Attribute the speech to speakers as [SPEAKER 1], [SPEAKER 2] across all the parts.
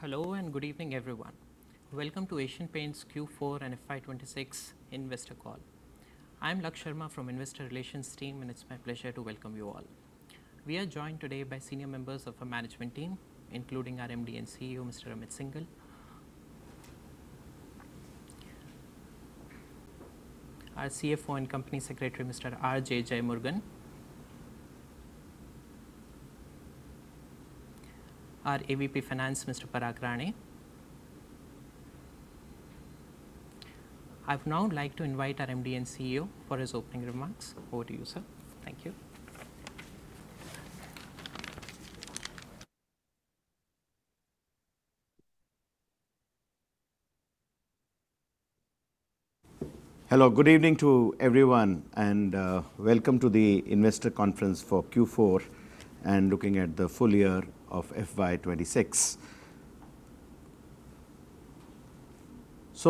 [SPEAKER 1] Hello, and good evening, everyone. Welcome to Asian Paints Q4 and FY 2026 investor call. I'm Laksh Sharma from Investor Relations team, and it's my pleasure to welcome you all. We are joined today by senior members of our management team, including our MD and CEO, Mr. Amit Syngle. Our CFO and Company Secretary, Mr. R.J. Jeyamurugan. Our AVP Finance, Mr. Parag Rane. I'd now like to invite our MD and CEO for his opening remarks. Over to you, sir. Thank you.
[SPEAKER 2] Hello. Good evening to everyone, and welcome to the investor conference for Q4 and looking at the full year of FY 2026.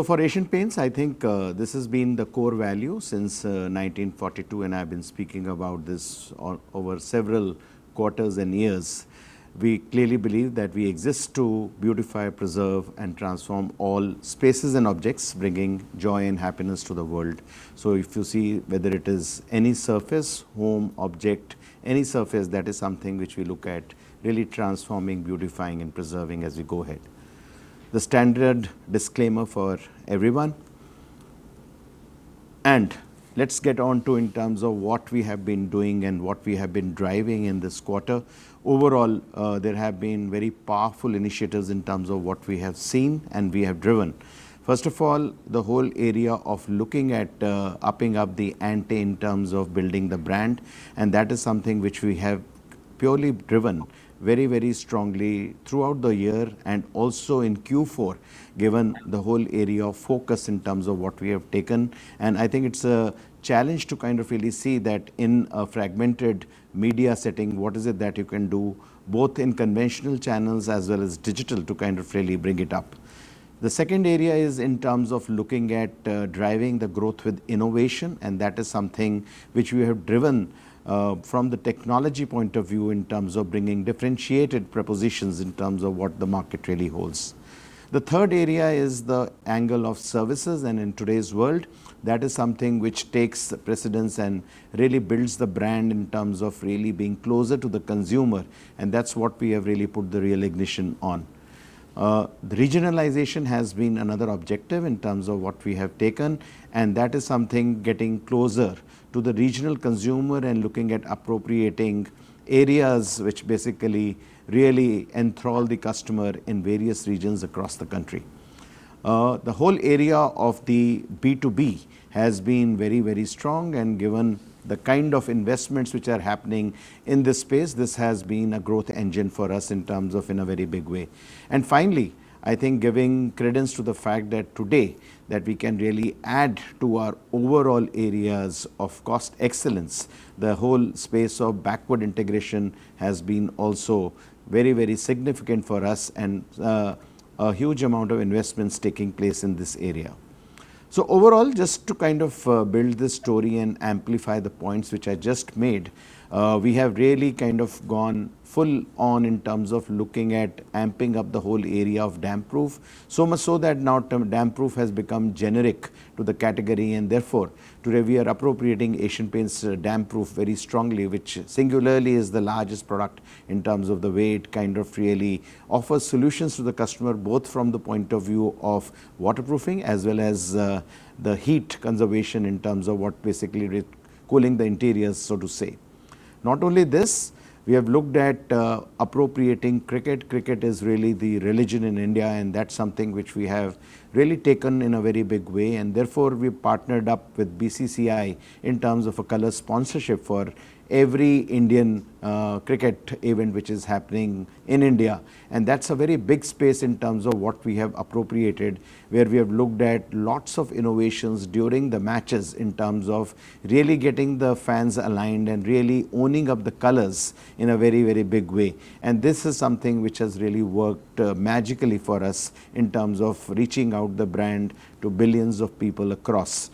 [SPEAKER 2] For Asian Paints, I think this has been the core value since 1942, and I've been speaking about this over several quarters and years. We clearly believe that we exist to beautify, preserve, and transform all spaces and objects, bringing joy and happiness to the world. If you see whether it is any surface, home, object, any surface, that is something which we look at really transforming, beautifying, and preserving as we go ahead. The standard disclaimer for everyone. Let's get on to in terms of what we have been doing and what we have been driving in this quarter. Overall, there have been very powerful initiatives in terms of what we have seen and we have driven. First of all, the whole area of looking at upping up the ante in terms of building the brand, and that is something which we have purely driven very strongly throughout the year and also in Q4, given the whole area of focus in terms of what we have taken. I think it's a challenge to kind of really see that in a fragmented media setting, what is it that you can do, both in conventional channels as well as digital to kind of really bring it up. The second area is in terms of looking at driving the growth with innovation, and that is something which we have driven from the technology point of view in terms of bringing differentiated propositions in terms of what the market really holds. The third area is the angle of services, and in today's world, that is something which takes precedence and really builds the brand in terms of really being closer to the consumer, and that's what we have really put the real ignition on. Regionalization has been another objective in terms of what we have taken, and that is something getting closer to the regional consumer and looking at appropriating areas which basically really enthrall the customer in various regions across the country. The whole area of the B2B has been very strong, and given the kind of investments which are happening in this space, this has been a growth engine for us in terms of in a very big way. Finally, I think giving credence to the fact that today that we can really add to our overall areas of cost excellence, the whole space of backward integration has been also very significant for us and a huge amount of investments taking place in this area. Overall, just to kind of build this story and amplify the points which I just made, we have really kind of gone full on in terms of looking at amping up the whole area of Damp Proof. Much so that now Damp Proof has become generic to the category, and therefore, today we are appropriating Asian Paints Damp Proof very strongly, which singularly is the largest product in terms of the way it kind of really offers solutions to the customer, both from the point of view of waterproofing as well as the heat conservation in terms of what basically with cooling the interiors, so to say. Not only this, we have looked at appropriating cricket. Cricket is really the religion in India, and that's something which we have really taken in a very big way, and therefore we partnered up with BCCI in terms of a color sponsorship for every Indian cricket event which is happening in India. That's a very big space in terms of what we have appropriated, where we have looked at lots of innovations during the matches in terms of really getting the fans aligned and really owning up the colors in a very big way. This is something which has really worked magically for us in terms of reaching out the brand to billions of people across.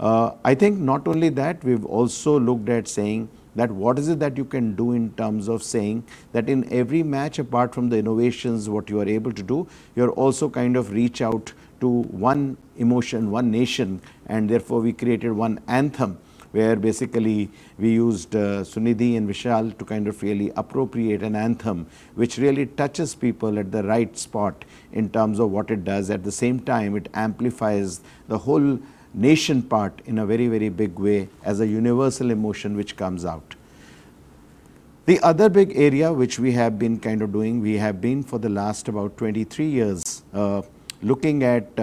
[SPEAKER 2] I think not only that, we've also looked at saying that what is it that you can do in terms of saying that in every match, apart from the innovations what you are able to do, you're also kind of reach out to one emotion, one nation, and therefore we created one anthem, where basically we used Sunidhi and Vishal to kind of really appropriate an anthem which really touches people at the right spot in terms of what it does. At the same time, it amplifies the whole nation part in a very big way as a universal emotion which comes out. The other big area which we have been kind of doing, we have been for the last about 23 years, looking at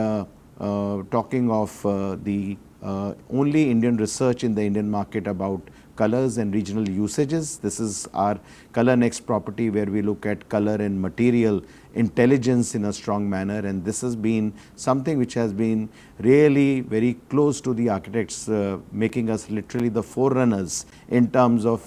[SPEAKER 2] talking of the only Indian research in the Indian market about colors and regional usages. This is our ColorNext property where we look at color and material intelligence in a strong manner. This has been something which has been really very close to the architects, making us literally the forerunners in terms of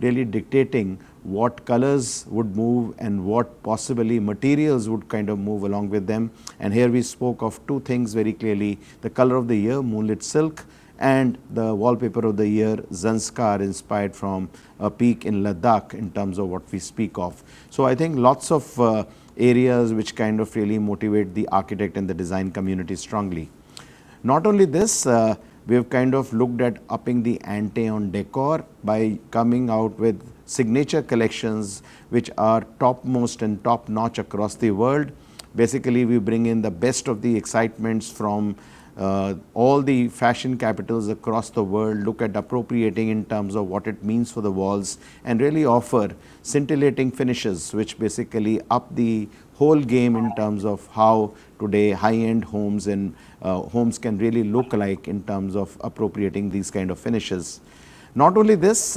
[SPEAKER 2] really dictating what colors would move and what possibly materials would kind of move along with them. Here we spoke of two things very clearly, the Colour of the Year, Moonlit Silk, and the Wallpaper of the Year, Zanskar, inspired from a peak in Ladakh in terms of what we speak of. I think lots of areas which kind of really motivate the architect and the design community strongly. Not only this, we've kind of looked at upping the ante on decor by coming out with signature collections which are topmost and top-notch across the world. Basically, we bring in the best of the excitements from all the fashion capitals across the world, look at appropriating in terms of what it means for the walls, and really offer scintillating finishes, which basically up the whole game in terms of how today high-end homes and homes can really look like in terms of appropriating these kind of finishes. Not only this,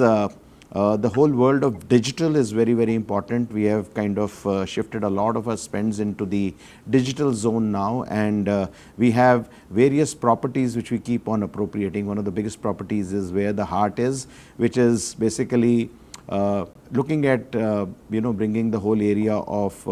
[SPEAKER 2] the whole world of digital is very important. We have kind of shifted a lot of our spends into the digital zone now, and we have various properties which we keep on appropriating. One of the biggest properties is Where The Heart Is, which is basically looking at bringing the whole area of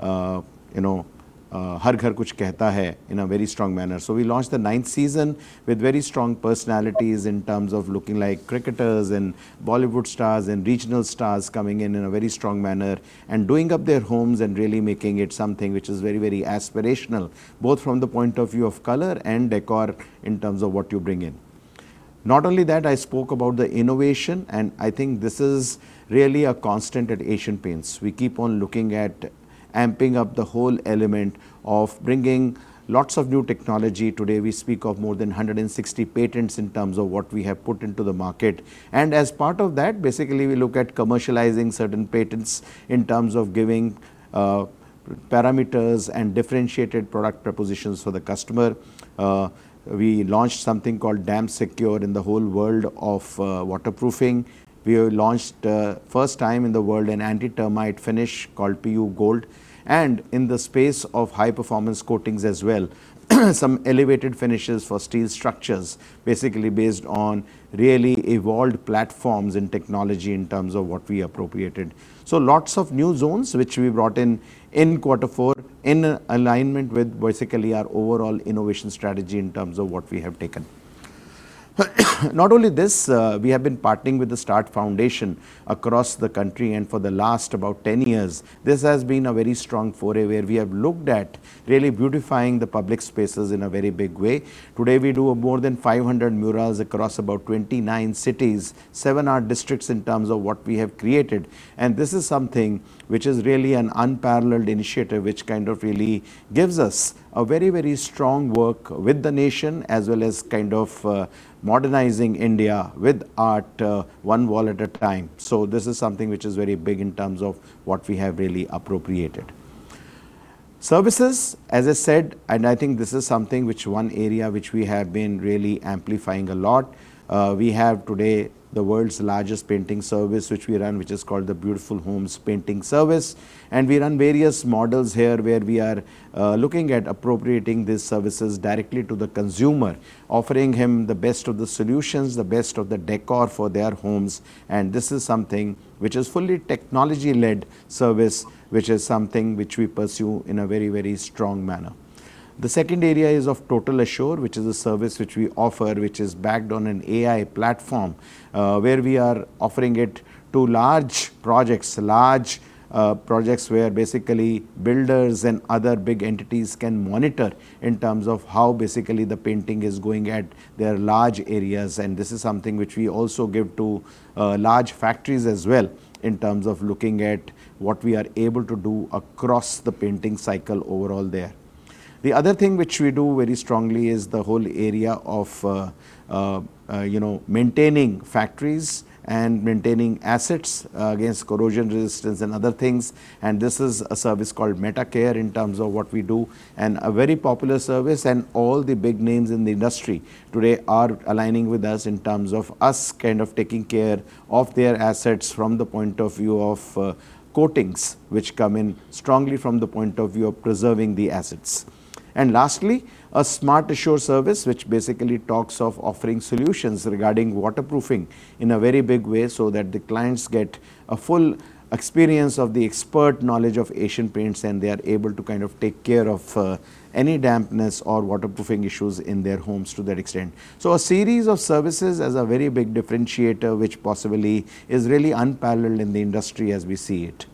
[SPEAKER 2] "Har Ghar Kuch Kehta Hai" in a very strong manner. We launched the ninth season with very strong personalities in terms of looking like cricketers and Bollywood stars and regional stars coming in a very strong manner and doing up their homes and really making it something which is very aspirational, both from the point of view of color and decor in terms of what you bring in. Not only that, I spoke about the innovation, and I think this is really a constant at Asian Paints. We keep on looking at amping up the whole element of bringing lots of new technology. Today, we speak of more than 160 patents in terms of what we have put into the market. As part of that, basically, we look at commercializing certain patents in terms of giving parameters and differentiated product propositions for the customer. We launched something called Damp Secure in the whole world of waterproofing. We have launched, first time in the world, an anti-termite finish called PU Gold. In the space of high-performance coatings as well, some elevated finishes for steel structures, basically based on really evolved platforms and technology in terms of what we appropriated. Lots of new zones, which we brought in in quarter four, in alignment with basically our overall innovation strategy in terms of what we have taken. Not only this, we have been partnering with the St+art Foundation across the country and for the last about 10 years. This has been a very strong foray where we have looked at really beautifying the public spaces in a very big way. Today, we do more than 500 murals across about 29 cities, seven art districts in terms of what we have created. This is something which is really an unparalleled initiative, which kind of really gives us a very strong work with the nation, as well as kind of modernizing India with art, one wall at a time. This is something which is very big in terms of what we have really appropriated. Services, as I said, and I think this is something which one area which we have been really amplifying a lot. We have today the world's largest painting service, which we run, which is called the Beautiful Homes Painting Service. We run various models here where we are looking at appropriating these services directly to the consumer, offering him the best of the solutions, the best of the decor for their homes. This is something which is fully technology-led service, which is something which we pursue in a very strong manner. The second area is of Total Assure, which is a service which we offer, which is backed on an AI platform, where we are offering it to large projects, where basically builders and other big entities can monitor in terms of how basically the painting is going at their large areas. This is something which we also give to large factories as well in terms of looking at what we are able to do across the painting cycle overall there. The other thing which we do very strongly is the whole area of maintaining factories and maintaining assets against corrosion resistance and other things. This is a service called Metacare in terms of what we do and a very popular service. All the big names in the industry today are aligning with us in terms of us kind of taking care of their assets from the point of view of coatings, which come in strongly from the point of view of preserving the assets. Lastly, a SmartAssure service, which basically talks of offering solutions regarding waterproofing in a very big way so that the clients get a full experience of the expert knowledge of Asian Paints, and they are able to kind of take care of any dampness or waterproofing issues in their homes to that extent. So a series of services as a very big differentiator, which possibly is really unparalleled in the industry as we see it.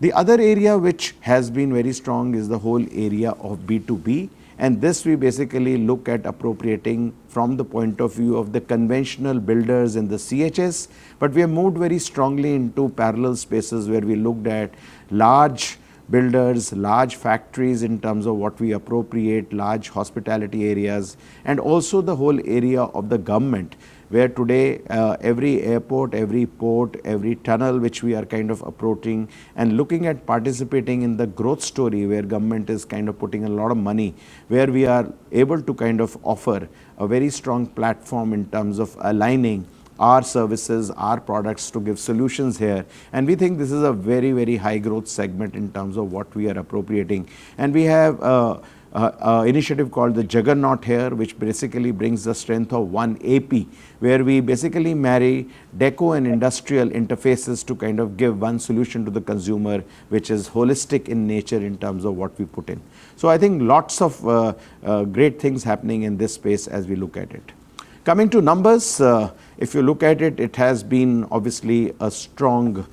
[SPEAKER 2] The other area which has been very strong is the whole area of B2B. This we basically look at appropriating from the point of view of the conventional builders and the CHS. We have moved very strongly into parallel spaces where we looked at large builders, large factories in terms of what we appropriate, large hospitality areas, and also the whole area of the government, where today every airport, every port, every tunnel, which we are kind of approaching and looking at participating in the growth story where government is kind of putting a lot of money, where we are able to kind of offer a very strong platform in terms of aligning our services, our products, to give solutions here. We think this is a very high growth segment in terms of what we are appropriating. We have an initiative called the Juggernaut here, which basically brings the strength of one AP, where we basically marry Deco and industrial interfaces to kind of give one solution to the consumer, which is holistic in nature in terms of what we put in. I think lots of great things happening in this space as we look at it. Coming to numbers. If you look at it has been obviously a strong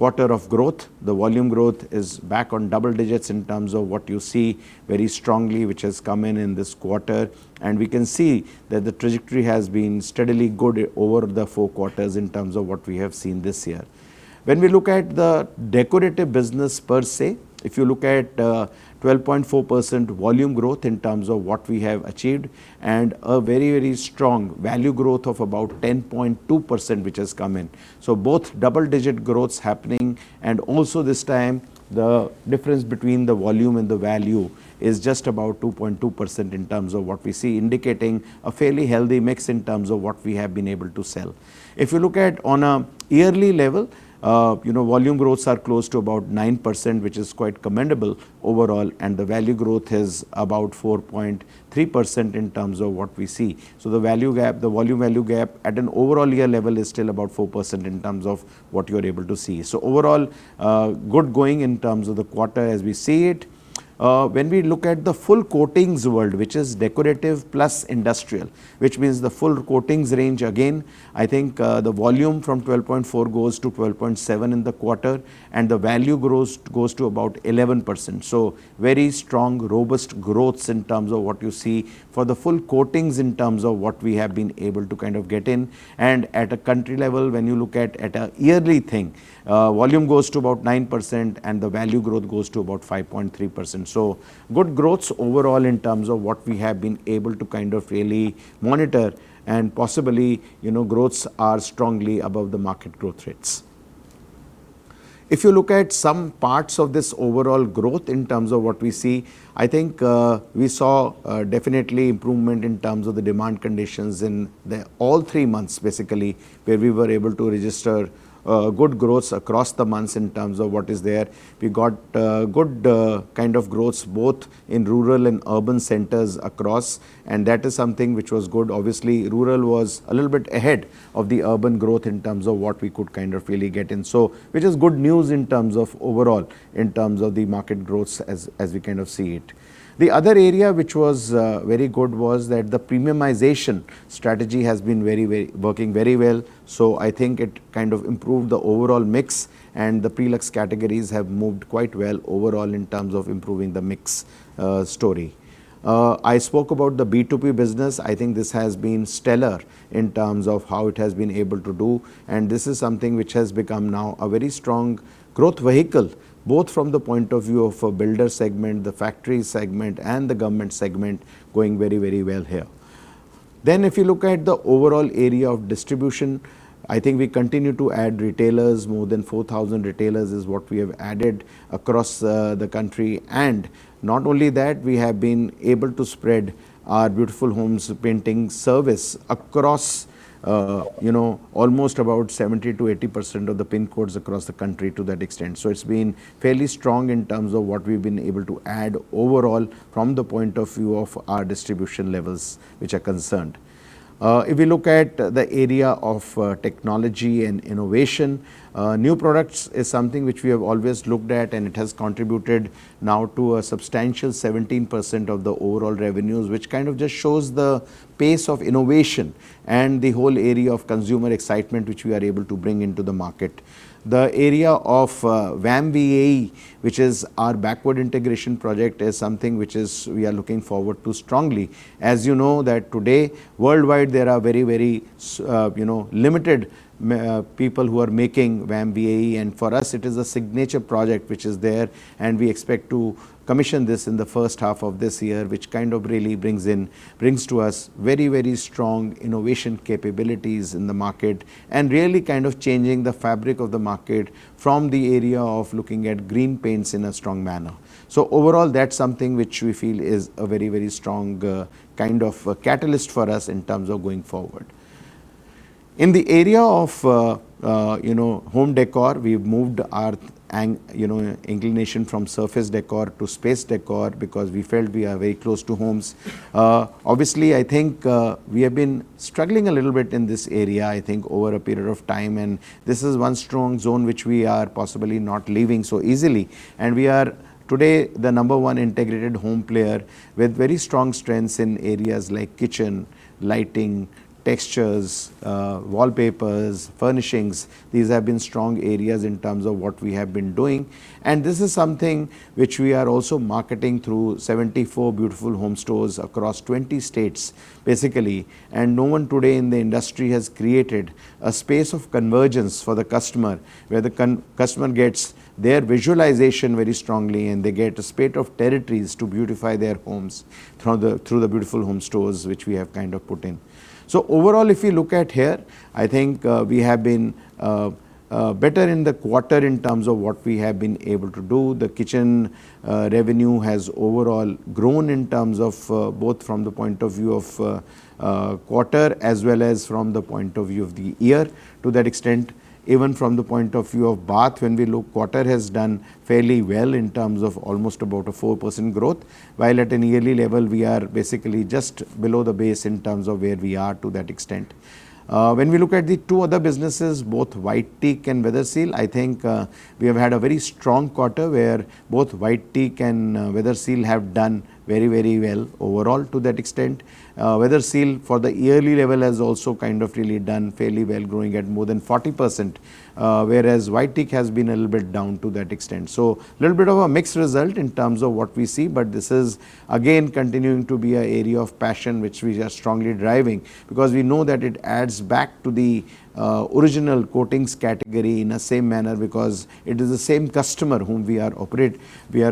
[SPEAKER 2] quarter of growth. The volume growth is back on double-digits in terms of what you see very strongly, which has come in in this quarter. We can see that the trajectory has been steadily good over the four quarters in terms of what we have seen this year. When we look at the decorative business per se, if you look at 12.4% volume growth in terms of what we have achieved, a very strong value growth of about 10.2%, which has come in. Both double-digit growth is happening. Also this time, the difference between the volume and the value is just about 2.2% in terms of what we see, indicating a fairly healthy mix in terms of what we have been able to sell. If you look at on a yearly level, volume growths are close to about 9%, which is quite commendable overall. The value growth is about 4.3% in terms of what we see. The volume value gap at an overall year level is still about 4% in terms of what you're able to see. Overall, good going in terms of the quarter as we see it. When we look at the full coatings world, which is decorative plus industrial, which means the full coatings range, again, I think the volume from 12.4% goes to 12.7% in the quarter, and the value growth goes to about 11%. Very strong, robust growth in terms of what you see for the full coatings in terms of what we have been able to kind of get in. At a country level, when you look at a yearly thing, volume goes to about 9% and the value growth goes to about 5.3%. Good growth overall in terms of what we have been able to kind of really monitor and possibly, growths are strongly above the market growth rates. If you look at some parts of this overall growth in terms of what we see, I think we saw definitely improvement in terms of the demand conditions in all three months, basically, where we were able to register good growth across the months in terms of what is there. We got good kind of growth both in rural and urban centers across. That is something which was good. Obviously, rural was a little bit ahead of the urban growth in terms of what we could kind of really get in. Which is good news in terms of overall, in terms of the market growth as we kind of see it. The other area which was very good was that the premiumization strategy has been working very well. I think it kind of improved the overall mix, and the pre-lux categories have moved quite well overall in terms of improving the mix story. I spoke about the B2B business. I think this has been stellar in terms of how it has been able to do, and this is something which has become now a very strong growth vehicle, both from the point of view of a builder segment, the factory segment, and the government segment going very well here. If you look at the overall area of distribution, I think we continue to add retailers. More than 4,000 retailers is what we have added across the country. Not only that, we have been able to spread our Beautiful Homes Painting Service across almost about 70%-80% of the pin codes across the country to that extent. It's been fairly strong in terms of what we've been able to add overall from the point of view of our distribution levels, which are concerned. If you look at the area of technology and innovation, new products is something which we have always looked at, and it has contributed now to a substantial 17% of the overall revenues, which kind of just shows the pace of innovation and the whole area of consumer excitement, which we are able to bring into the market. The area of VAM VAE, which is our backward integration project, is something which is we are looking forward to strongly. As you know that today, worldwide, there are very limited people who are making VAM VAE. For us, it is a signature project which is there, and we expect to commission this in the first half of this year, which kind of really brings to us very strong innovation capabilities in the market and really kind of changing the fabric of the market from the area of looking at green paints in a strong manner. Overall, that's something which we feel is a very strong kind of catalyst for us in terms of going forward. In the area of home decor, we've moved our inclination from surface decor to space decor because we felt we are very close to homes. Obviously, I think we have been struggling a little bit in this area, I think, over a period of time, and this is one strong zone which we are possibly not leaving so easily. We are today the number one integrated home player with very strong strengths in areas like kitchen, lighting, textures, wallpapers, furnishings. These have been strong areas in terms of what we have been doing. This is something which we are also marketing through 74 Beautiful Home stores across 20 states, basically. No one today in the industry has created a space of convergence for the customer, where the customer gets their visualization very strongly, and they get a spate of territories to beautify their homes through the Beautiful Home stores, which we have kind of put in. Overall, if you look at here, I think we have been better in the quarter in terms of what we have been able to do. The kitchen revenue has overall grown in terms of both from the point of view of quarter as well as from the point of view of the year. To that extent, even from the point of view of bath, when we look, quarter has done fairly well in terms of almost about a 4% growth. While at an yearly level, we are basically just below the base in terms of where we are to that extent. When we look at the two other businesses, both White Teak and Weatherseal, I think we have had a very strong quarter where both White Teak and Weatherseal have done very well overall to that extent. Weatherseal for the yearly level has also kind of really done fairly well, growing at more than 40%, whereas White Teak has been a little bit down to that extent. Little bit of a mixed result in terms of what we see, but this is again continuing to be a area of passion which we are strongly driving because we know that it adds back to the original coatings category in a same manner because it is the same customer whom we are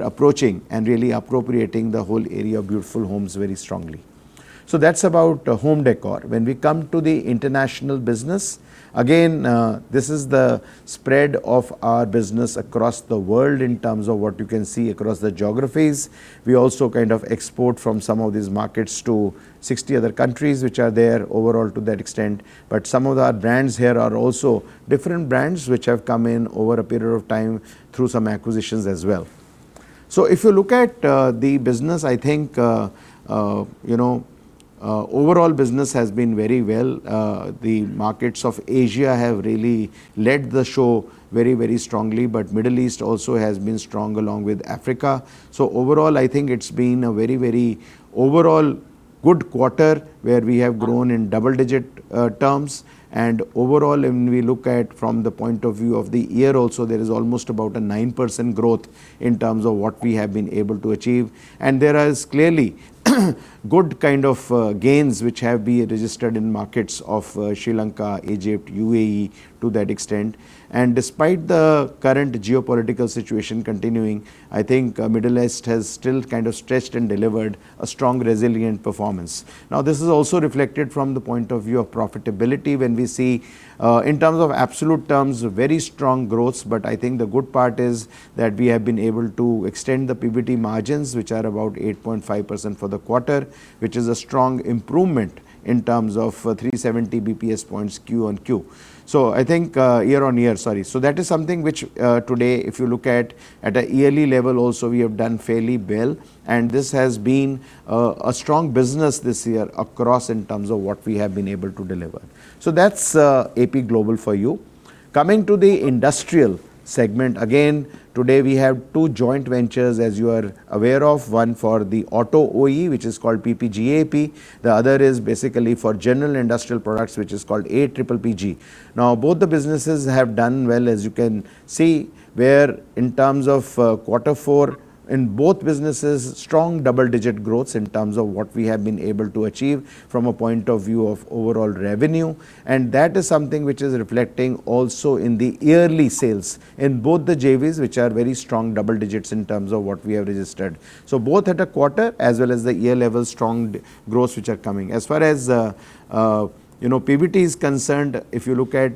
[SPEAKER 2] approaching and really appropriating the whole area of Beautiful Homes very strongly. That's about home décor. When we come to the international business, again, this is the spread of our business across the world in terms of what you can see across the geographies. We also kind of export from some of these markets to 60 other countries which are there overall to that extent. Some of our brands here are also different brands which have come in over a period of time through some acquisitions as well. If you look at the business, I think, overall business has been very well. The markets of Asia have really led the show very strongly. Middle East also has been strong along with Africa. Overall, I think it's been a very overall good quarter where we have grown in double digit terms. Overall, when we look at from the point of view of the year also, there is almost about a 9% growth in terms of what we have been able to achieve. There is clearly good kind of gains which have been registered in markets of Sri Lanka, Egypt, UAE to that extent. Despite the current geopolitical situation continuing, I think Middle East has still kind of stretched and delivered a strong, resilient performance. This is also reflected from the point of view of profitability when we see in terms of absolute terms, very strong growth. I think the good part is that we have been able to extend the PBT margins, which are about 8.5% for the quarter, which is a strong improvement in terms of 370 basis points Q-on-Q. I think year-on-year, sorry. That is something which today, if you look at a yearly level also, we have done fairly well and this has been a strong business this year across in terms of what we have been able to deliver. That's AP Global for you. Coming to the industrial segment, again, today we have two joint ventures as you are aware of, one for the auto OE which is called PPGAP. The other is basically for general industrial products which is called APPPG. Both the businesses have done well as you can see in Q4 in both businesses strong double digit growth in what we have been able to achieve from a point of view of overall revenue. That is something which is reflecting also in the yearly sales in both the JVs which are very strong double digits in what we have registered. Both at a quarter as well as the year level strong growths which are coming. As far as PBT is concerned, if you look at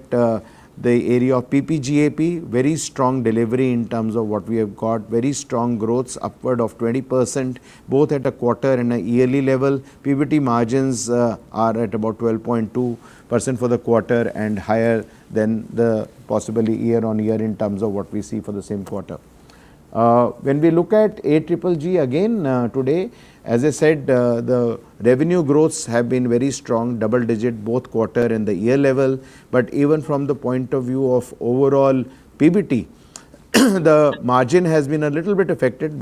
[SPEAKER 2] the area of PPGAP, very strong delivery in what we have got. Very strong growth upward of 20%, both at a quarter and a yearly level. PBT margins are at about 12.2% for the quarter and higher than the possibility year-over-year in terms of what we see for the same quarter. When we look at AP Global again today, as I said, the revenue growths have been very strong, double-digit both quarter and the year level. Even from the point of view of overall PBT, the margin has been a little bit affected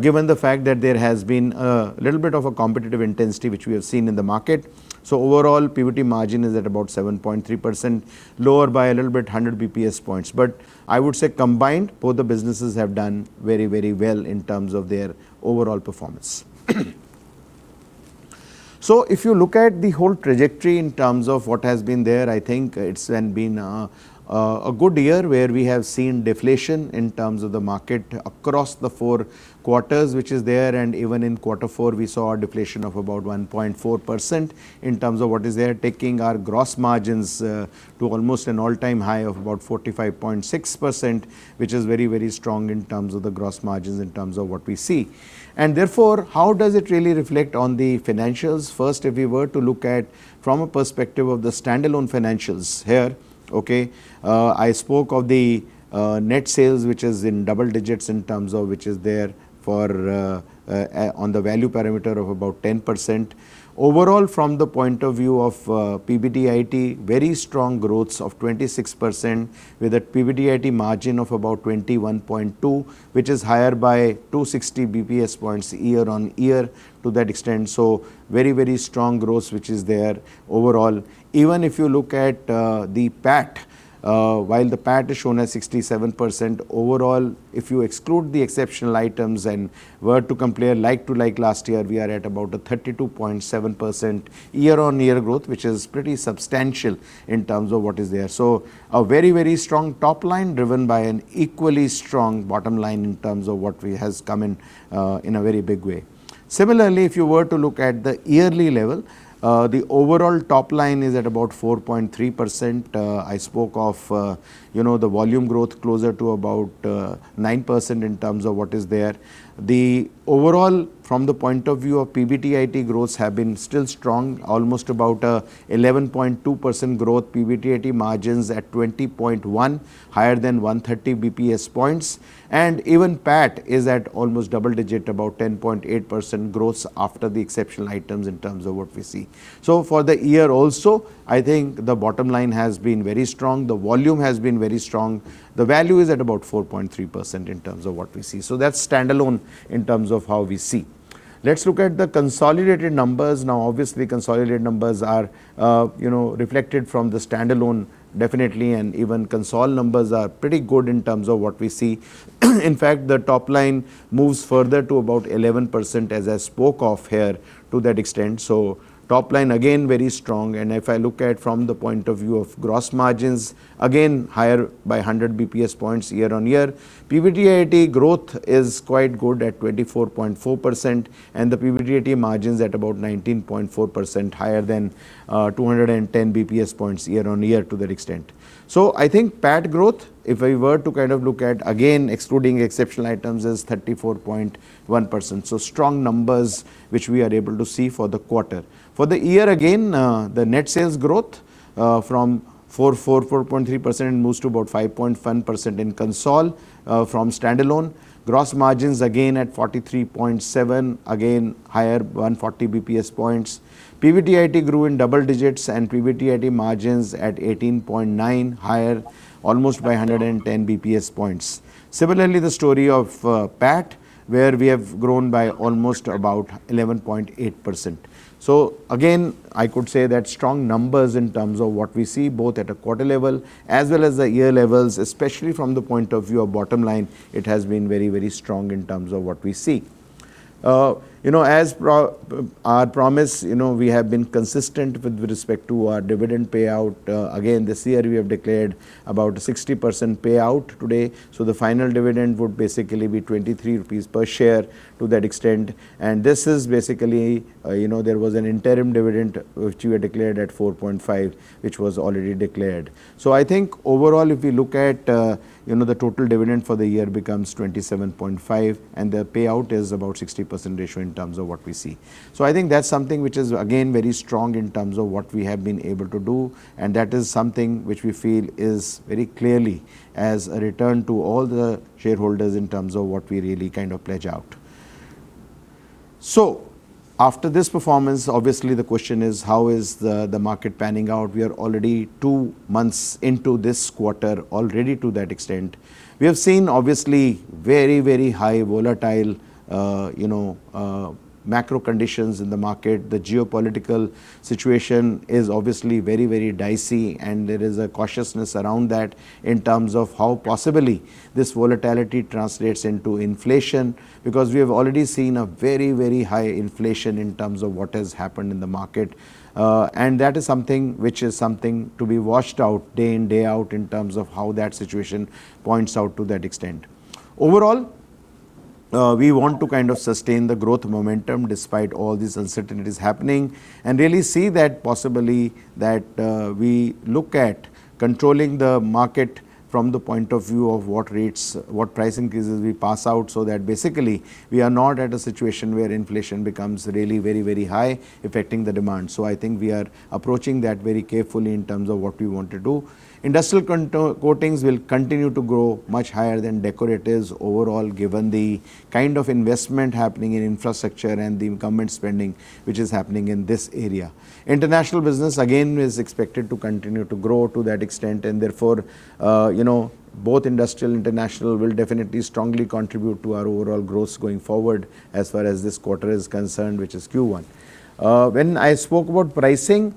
[SPEAKER 2] given the fact that there has been a little bit of a competitive intensity which we have seen in the market. Overall, PBT margin is at about 7.3%, lower by a little bit, 100 basis points. I would say combined, both the businesses have done very well in terms of their overall performance. If you look at the whole trajectory in terms of what has been there, I think it's been a good year where we have seen deflation in terms of the market across the four quarters which is there. Even in quarter four we saw a deflation of about 1.4% in terms of what is there, taking our gross margins to almost an all-time high of about 45.6%, which is very strong in terms of the gross margins in terms of what we see. Therefore, how does it really reflect on the financials? First, if we were to look at from a perspective of the standalone financials here, okay. I spoke of the net sales, which is in double digits in terms of which is there on the value parameter of about 10%. Overall from the point of view of PBDIT, very strong growth of 26% with a PBDIT margin of about 21.2, which is higher by 260 basis points year-on-year to that extent. Very strong growth which is there overall. Even if you look at the PAT, while the PAT is shown as 67% overall, if you exclude the exceptional items and were to compare like to like last year, we are at about a 32.7% year-on-year growth, which is pretty substantial in terms of what is there. A very strong top line driven by an equally strong bottom line in terms of what has come in a very big way. Similarly, if you were to look at the yearly level, the overall top line is at about 4.3%. I spoke of the volume growth closer to about 9% in terms of what is there. Overall, from the point of view of PBDIT growth, have been still strong, almost about 11.2% growth, PBDIT margins at 20.1%, higher than 130 basis points. Even PAT is at almost double digit, about 10.8% growth after the exceptional items in terms of what we see. For the year also, I think the bottom line has been very strong. The volume has been very strong. The value is at about 4.3% in terms of what we see. That's standalone in terms of how we see. Let's look at the consolidated numbers. Obviously, consolidated numbers are reflected from the standalone definitely, and even consolidated numbers are pretty good in terms of what we see. In fact, the top line moves further to about 11%, as I spoke of here to that extent. Top line, again, very strong. If I look at from the point of view of gross margins, again, higher by 100 basis points year-on-year. PBDIT growth is quite good at 24.4%, and the PBDIT margins at about 19.4%, higher than 210 basis points year-on-year to that extent. I think PAT growth, if I were to look at, again, excluding exceptional items, is 34.1%. Strong numbers, which we are able to see for the quarter. For the year again, the net sales growth from 4.3% moves to about 5.1% in consolidated from standalone. Gross margins again at 43.7%, again higher 140 basis points. PBDIT grew in double digits and PBDIT margins at 18.9%, higher almost by 110 basis points. Similarly, the story of PAT, where we have grown by almost about 11.8%. Again, I could say that strong numbers in terms of what we see, both at a quarter level as well as the year levels, especially from the point of view of bottom line, it has been very strong in terms of what we see. As our promise, we have been consistent with respect to our dividend payout. Again, this year we have declared about 60% payout today. The final dividend would basically be 23 rupees per share to that extent. This is basically, there was an interim dividend which we had declared at 4.5, which was already declared. I think overall, if you look at the total dividend for the year becomes 27.5, and the payout is about 60% ratio in terms of what we see. I think that's something which is again, very strong in terms of what we have been able to do, and that is something which we feel is very clearly as a return to all the shareholders in terms of what we really pledge out. After this performance, obviously the question is, how is the market panning out? We are already two months into this quarter already to that extent. We have seen obviously very high volatile macro conditions in the market. The geopolitical situation is obviously very dicey, and there is a cautiousness around that in terms of how possibly this volatility translates into inflation, because we have already seen a very high inflation in terms of what has happened in the market. That is something which is something to be watched out day in, day out in terms of how that situation points out to that extent. Overall, we want to sustain the growth momentum despite all these uncertainties happening and really see that possibly that we look at controlling the market from the point of view of what rates, what price increases we pass out, so that basically we are not at a situation where inflation becomes really very high, affecting the demand. I think we are approaching that very carefully in terms of what we want to do. Industrial coatings will continue to grow much higher than decoratives overall given the kind of investment happening in infrastructure and the government spending, which is happening in this area. International business, again, is expected to continue to grow to that extent and therefore, both industrial and international will definitely strongly contribute to our overall growth going forward as far as this quarter is concerned, which is Q1. When I spoke about pricing,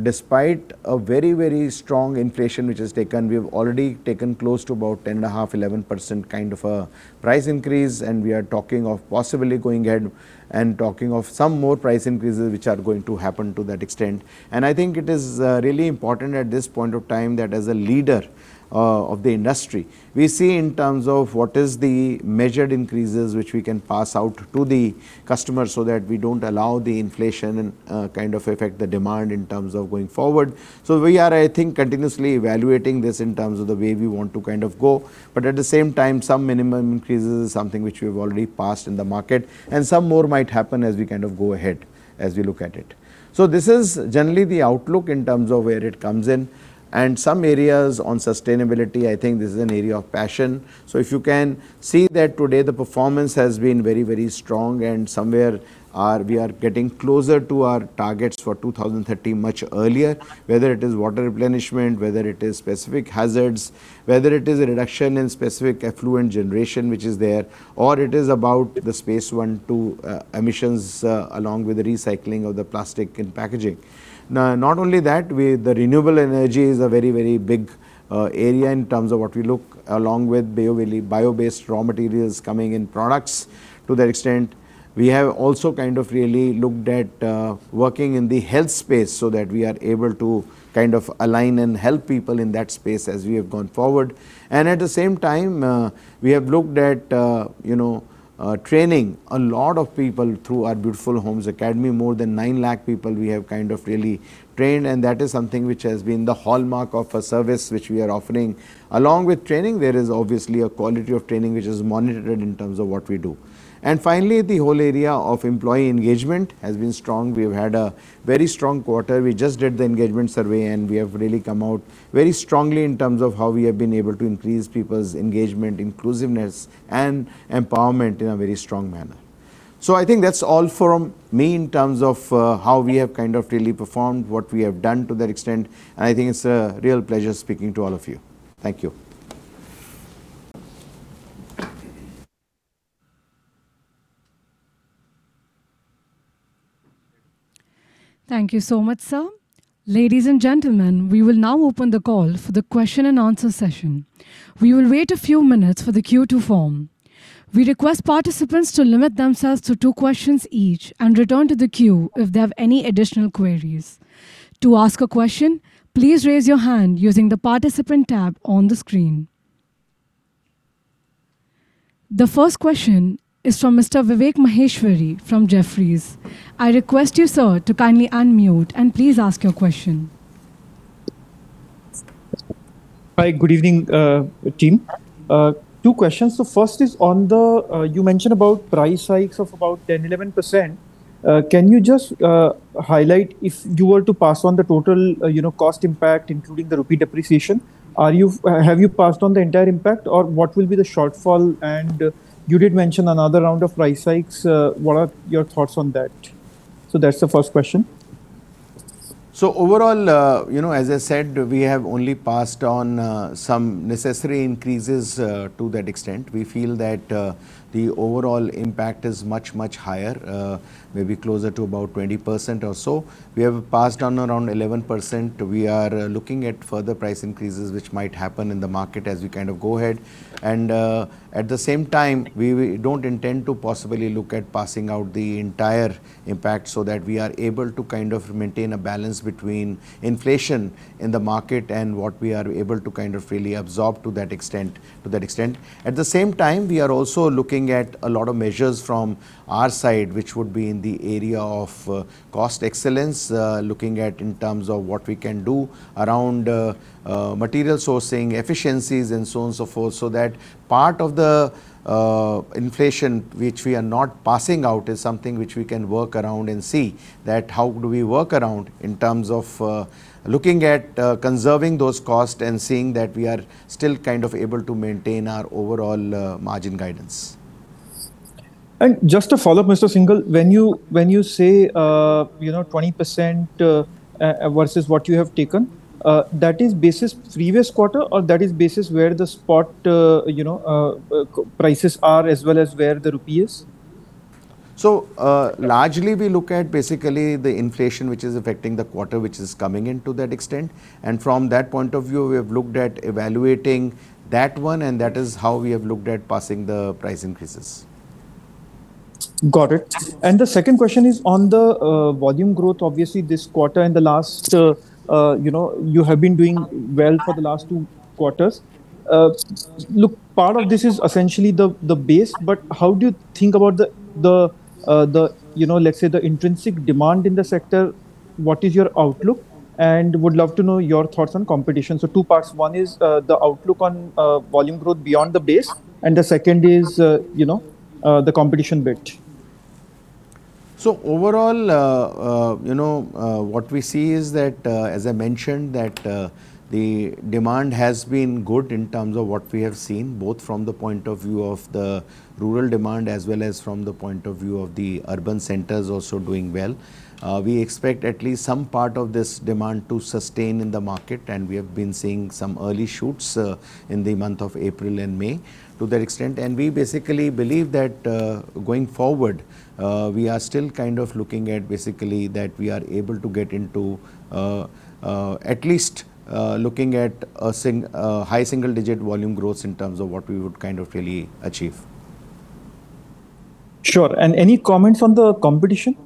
[SPEAKER 2] despite a very strong inflation which has taken, we have already taken close to about 10.5% to 11% kind of a price increase. We are talking of possibly going ahead and talking of some more price increases, which are going to happen to that extent. I think it is really important at this point of time that as a leader of the industry, we see in terms of what is the measured increases which we can pass out to the customers so that we don't allow the inflation and kind of affect the demand in terms of going forward. We are, I think continuously evaluating this in terms of the way we want to go. At the same time, some minimum increases is something which we've already passed in the market and some more might happen as we go ahead as we look at it. This is generally the outlook in terms of where it comes in and some areas on sustainability, I think this is an area of passion. If you can see that today the performance has been very strong and somewhere we are getting closer to our targets for 2030 much earlier, whether it is water replenishment, whether it is specific hazards, whether it is a reduction in specific effluent generation which is there, or it is about the Scope 1 and 2 emissions along with the recycling of the plastic and packaging. Not only that, the renewable energy is a very big area in terms of what we look along with bio-based raw materials coming in products to that extent. We have also really looked at working in the health space so that we are able to align and help people in that space as we have gone forward. At the same time, we have looked at training a lot of people through our Beautiful Homes Academy. More than nine lakh people we have really trained, that is something which has been the hallmark of a service which we are offering. Along with training, there is obviously a quality of training which is monitored in terms of what we do. Finally, the whole area of employee engagement has been strong. We have had a very strong quarter. We just did the engagement survey, and we have really come out very strongly in terms of how we have been able to increase people's engagement, inclusiveness, and empowerment in a very strong manner. I think that's all from me in terms of how we have kind of really performed, what we have done to that extent, and I think it's a real pleasure speaking to all of you. Thank you.
[SPEAKER 3] Thank you so much, sir. Ladies and gentlemen, we will now open the call for the question and answer session. We will wait a few minutes for the queue to form. We request participants to limit themselves to two questions each and return to the queue if they have any additional queries. To ask a question, please raise your hand using the participant tab on the screen. The first question is from Mr. Vivek Maheshwari from Jefferies. I request you, sir, to kindly unmute and please ask your question.
[SPEAKER 4] Hi. Good evening, team. Two questions. First is you mentioned about price hikes of about 10%, 11%. Can you just highlight if you were to pass on the total cost impact, including the rupee depreciation? Have you passed on the entire impact, or what will be the shortfall? You did mention another round of price hikes. What are your thoughts on that? That's the first question.
[SPEAKER 2] Overall, as I said, we have only passed on some necessary increases to that extent. We feel that the overall impact is much, much higher, maybe closer to about 20% or so. We have passed on around 11%. We are looking at further price increases, which might happen in the market as we kind of go ahead. At the same time, we don't intend to possibly look at passing out the entire impact so that we are able to kind of maintain a balance between inflation in the market and what we are able to kind of really absorb to that extent. At the same time, we are also looking at a lot of measures from our side, which would be in the area of cost excellence, looking at in terms of what we can do around material sourcing efficiencies and so on and so forth. That part of the inflation which we are not passing out is something which we can work around and see that how do we work around in terms of looking at conserving those costs and seeing that we are still kind of able to maintain our overall margin guidance.
[SPEAKER 4] Just to follow up, Mr. Syngle, when you say 20% versus what you have taken, that is base is previous quarter or that is base is where the spot prices are as well as where the rupee is?
[SPEAKER 2] Largely, we look at basically the inflation which is affecting the quarter which is coming in to that extent. From that point of view, we have looked at evaluating that one, and that is how we have looked at passing the price increases.
[SPEAKER 4] Got it. The second question is on the volume growth. Obviously, you have been doing well for the last two quarters. Look, part of this is essentially the base, but how do you think about, let's say, the intrinsic demand in the sector? What is your outlook? Would love to know your thoughts on competition. Two parts. One is the outlook on volume growth beyond the base, and the second is the competition bit.
[SPEAKER 2] Overall, what we see is that, as I mentioned, that the demand has been good in terms of what we have seen, both from the point of view of the rural demand as well as from the point of view of the urban centers also doing well. We expect at least some part of this demand to sustain in the market, and we have been seeing some early shoots in the month of April and May to that extent. We basically believe that going forward, we are still kind of looking at basically that we are able to get into at least looking at a high single-digit volume growth in terms of what we would kind of really achieve.
[SPEAKER 4] Sure. Any comments on the competition?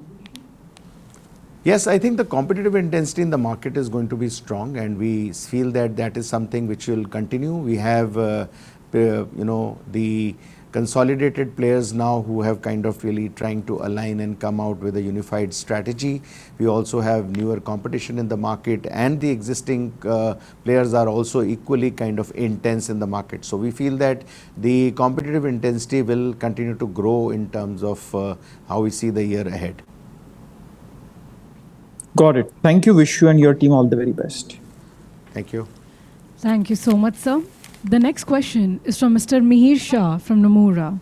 [SPEAKER 2] I think the competitive intensity in the market is going to be strong, and we feel that that is something which will continue. We have the consolidated players now who have kind of really trying to align and come out with a unified strategy. We also have newer competition in the market, and the existing players are also equally kind of intense in the market. We feel that the competitive intensity will continue to grow in terms of how we see the year ahead.
[SPEAKER 4] Got it. Thank you, wishing you and your team all the very best.
[SPEAKER 2] Thank you.
[SPEAKER 3] Thank you so much, sir. The next question is from Mr. Mihir Shah from Nomura.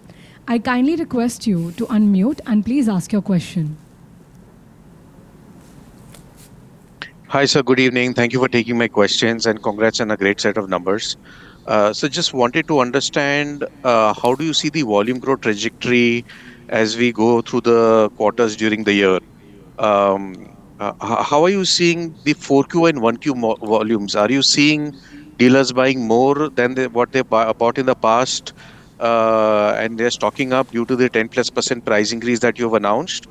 [SPEAKER 3] I kindly request you to unmute, and please ask your question.
[SPEAKER 5] Hi, sir. Good evening. Thank you for taking my questions. Congrats on a great set of numbers. Just wanted to understand, how do you see the volume growth trajectory as we go through the quarters during the year? How are you seeing the 4Q and 1Q volumes? Are you seeing dealers buying more than what they bought in the past, and they're stocking up due to the 10%+ price increase that you have announced?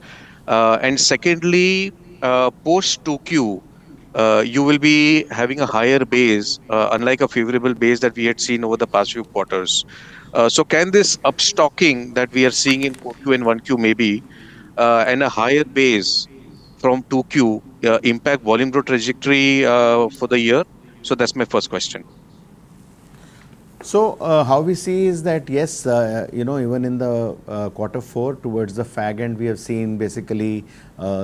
[SPEAKER 5] Secondly, post 2Q, you will be having a higher base, unlike a favorable base that we had seen over the past few quarters. Can this upstocking that we are seeing in 4Q and 1Q maybe, and a higher base from 2Q, impact volume growth trajectory for the year? That's my first question.
[SPEAKER 2] How we see is that, yes, even in the quarter four towards the fag end, we have seen basically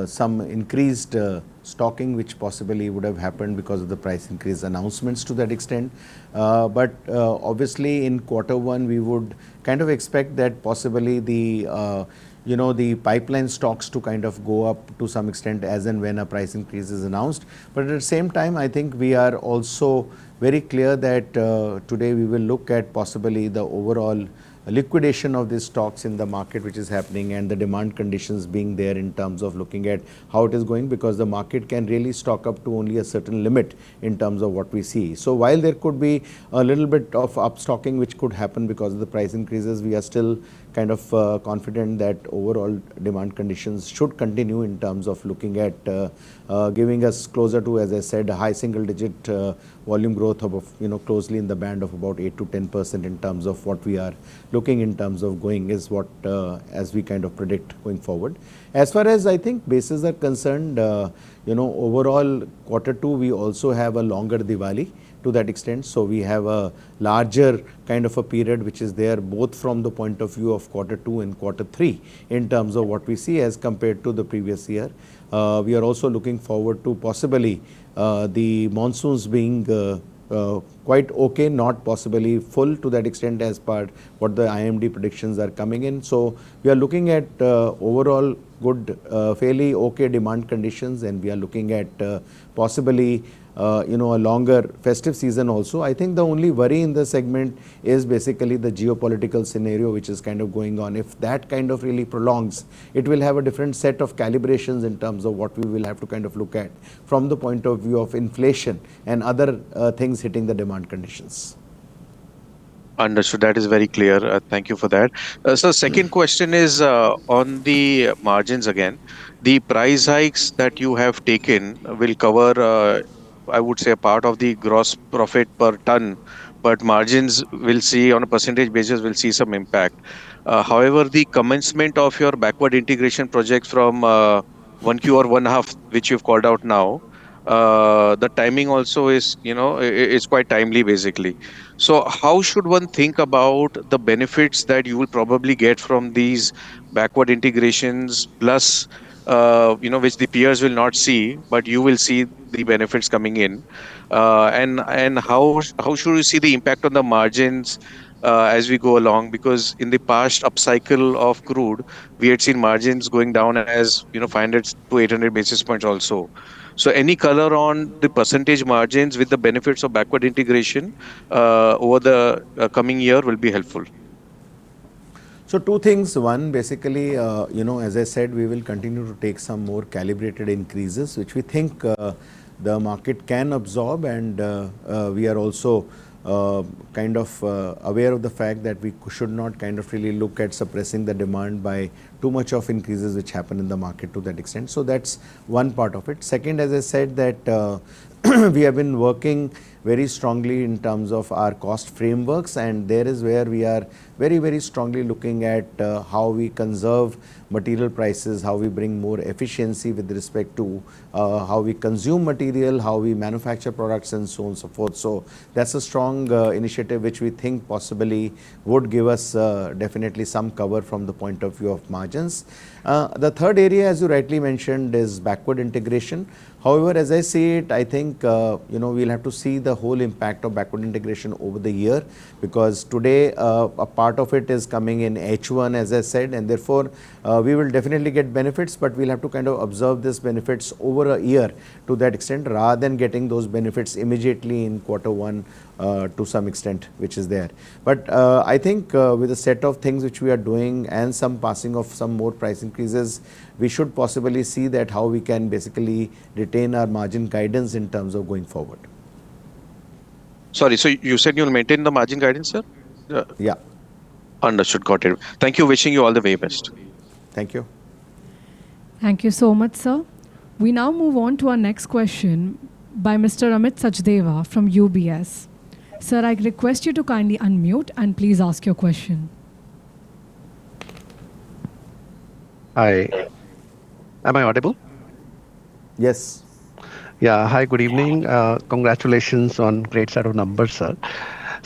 [SPEAKER 2] some increased stocking which possibly would have happened because of the price increase announcements to that extent. Obviously in quarter one, we would kind of expect that possibly the pipeline stocks to kind of go up to some extent as and when a price increase is announced. At the same time, I think we are also very clear that today we will look at possibly the overall liquidation of the stocks in the market, which is happening, and the demand conditions being there in terms of looking at how it is going, because the market can really stock up to only a certain limit in terms of what we see. While there could be a little bit of up stocking which could happen because of the price increases, we are still kind of confident that overall demand conditions should continue in terms of looking at giving us closer to, as I said, high single digit volume growth closely in the band of about 8%-10% in terms of what we are looking in terms of going as we kind of predict going forward. As far as I think bases are concerned, overall quarter two, we also have a longer Diwali to that extent. We have a larger kind of a period which is there both from the point of view of quarter two and quarter three in terms of what we see as compared to the previous year. We are also looking forward to possibly the monsoons being quite okay, not possibly full to that extent as per what the IMD predictions are coming in. We are looking at overall good, fairly okay demand conditions, and we are looking at possibly a longer festive season also. I think the only worry in the segment is basically the geopolitical scenario, which is kind of going on. If that kind of really prolongs, it will have a different set of calibrations in terms of what we will have to look at from the point of view of inflation and other things hitting the demand conditions.
[SPEAKER 5] Understood. That is very clear. Thank you for that. Second question is on the margins again. The price hikes that you have taken will cover, I would say, a part of the gross profit per ton, but margins, on a percentage basis, will see some impact. However, the commencement of your backward integration project from 1Q or one half, which you've called out now, the timing also is quite timely, basically. How should one think about the benefits that you will probably get from these backward integrations plus which the peers will not see, but you will see the benefits coming in. How should we see the impact on the margins as we go along? Because in the past upcycle of crude, we had seen margins going down as 500 basis points-800 basis points also. Any color on the percentage margins with the benefits of backward integration over the coming year will be helpful.
[SPEAKER 2] Two things. One, basically, as I said, we will continue to take some more calibrated increases, which we think the market can absorb and we are also aware of the fact that we should not really look at suppressing the demand by too much of increases which happen in the market to that extent. That’s one part of it. Second, as I said that we have been working very strongly in terms of our cost frameworks, and there is where we are very strongly looking at how we conserve material prices, how we bring more efficiency with respect to how we consume material, how we manufacture products, and so on and so forth. That’s a strong initiative which we think possibly would give us definitely some cover from the point of view of margins. The third area, as you rightly mentioned, is backward integration. As I see it, I think we’ll have to see the whole impact of backward integration over the year, because today, a part of it is coming in H1, as I said, and therefore, we will definitely get benefits, but we’ll have to observe these benefits over a year to that extent, rather than getting those benefits immediately in quarter one to some extent, which is there. I think with the set of things which we are doing and some passing of some more price increases, we should possibly see that how we can basically retain our margin guidance in terms of going forward.
[SPEAKER 5] Sorry. You said you’ll maintain the margin guidance, sir?
[SPEAKER 2] Yeah.
[SPEAKER 5] Understood. Got it. Thank you. Wishing you all the very best.
[SPEAKER 2] Thank you.
[SPEAKER 3] Thank you so much, sir. We now move on to our next question by Mr. Amit Sachdeva from UBS. Sir, I request you to kindly unmute and please ask your question.
[SPEAKER 6] Hi. Am I audible?
[SPEAKER 2] Yes.
[SPEAKER 6] Hi. Good evening. Congratulations on great set of numbers, sir.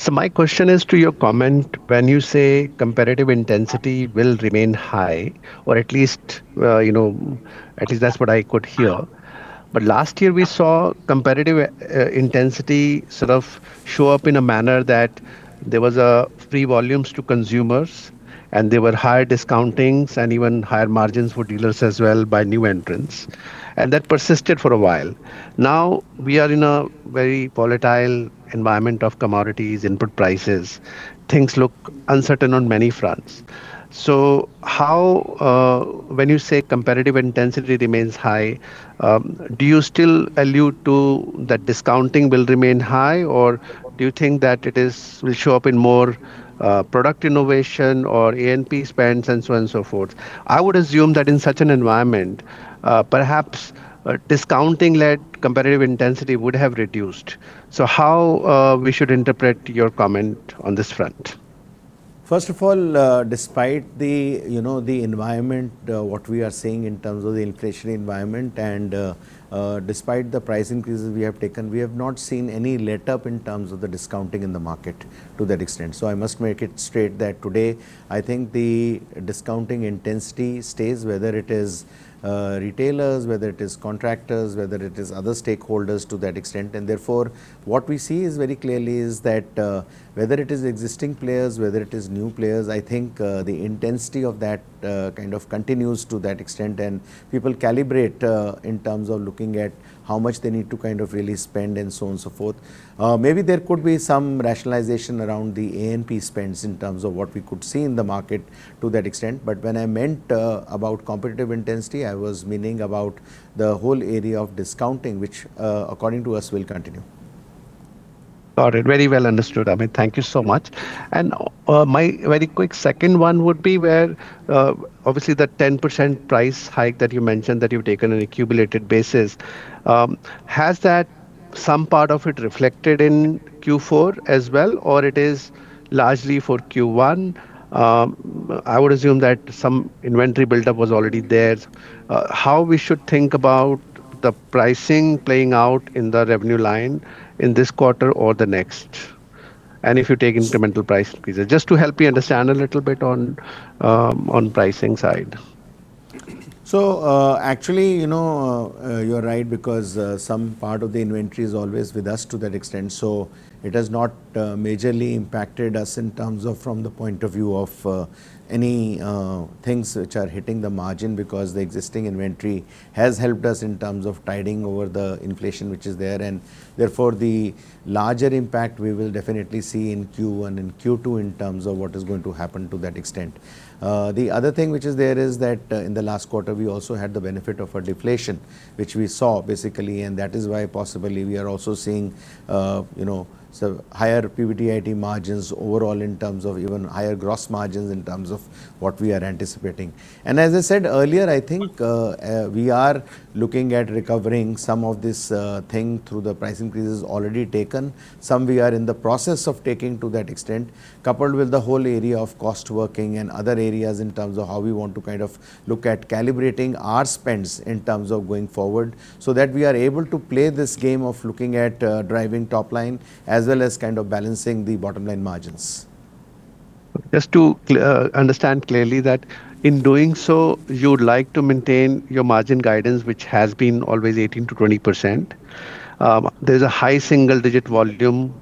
[SPEAKER 6] My question is to your comment when you say competitive intensity will remain high, or at least that's what I could hear. Last year, we saw competitive intensity sort of show up in a manner that there was free volumes to consumers, and there were higher discountings and even higher margins for dealers as well by new entrants. That persisted for a while. Now we are in a very volatile environment of commodities, input prices. Things look uncertain on many fronts. When you say competitive intensity remains high, do you still allude to that discounting will remain high, or do you think that it will show up in more product innovation or A&P spends and so on and so forth? I would assume that in such an environment, perhaps discounting-led competitive intensity would have reduced. How we should interpret your comment on this front?
[SPEAKER 2] First of all, despite the environment, what we are seeing in terms of the inflation environment, and despite the price increases we have taken, we have not seen any letup in terms of the discounting in the market to that extent. I must make it straight that today, I think the discounting intensity stays, whether it is retailers, whether it is contractors, whether it is other stakeholders to that extent. Therefore, what we see very clearly is that whether it is existing players, whether it is new players, I think the intensity of that kind of continues to that extent, and people calibrate in terms of looking at how much they need to really spend and so on, so forth. Maybe there could be some rationalization around the A&P spends in terms of what we could see in the market to that extent. When I meant about competitive intensity, I was meaning about the whole area of discounting, which according to us will continue.
[SPEAKER 6] Got it. Very well understood, Amit. Thank you so much. My very quick second one would be where obviously the 10% price hike that you mentioned that you've taken on a cumulative basis, has that some part of it reflected in Q4 as well, or it is largely for Q1? I would assume that some inventory buildup was already there. How we should think about the pricing playing out in the revenue line in this quarter or the next, and if you take incremental price increases, just to help me understand a little bit on pricing side.
[SPEAKER 2] Actually, you're right because some part of the inventory is always with us to that extent. It has not majorly impacted us in terms of from the point of view of any things which are hitting the margin because the existing inventory has helped us in terms of tiding over the inflation which is there. Therefore, the larger impact we will definitely see in Q1 and Q2 in terms of what is going to happen to that extent. The other thing which is there is that in the last quarter, we also had the benefit of a deflation, which we saw basically, that is why possibly we are also seeing higher PBDIT margins overall in terms of even higher gross margins in terms of what we are anticipating. As I said earlier, I think we are looking at recovering some of this thing through the price increases already taken. Some we are in the process of taking to that extent, coupled with the whole area of cost working and other areas in terms of how we want to kind of look at calibrating our spends in terms of going forward so that we are able to play this game of looking at driving top line as well as balancing the bottom line margins.
[SPEAKER 6] Just to understand clearly that in doing so, you'd like to maintain your margin guidance, which has been always 18%-20%. There's a high single-digit volume,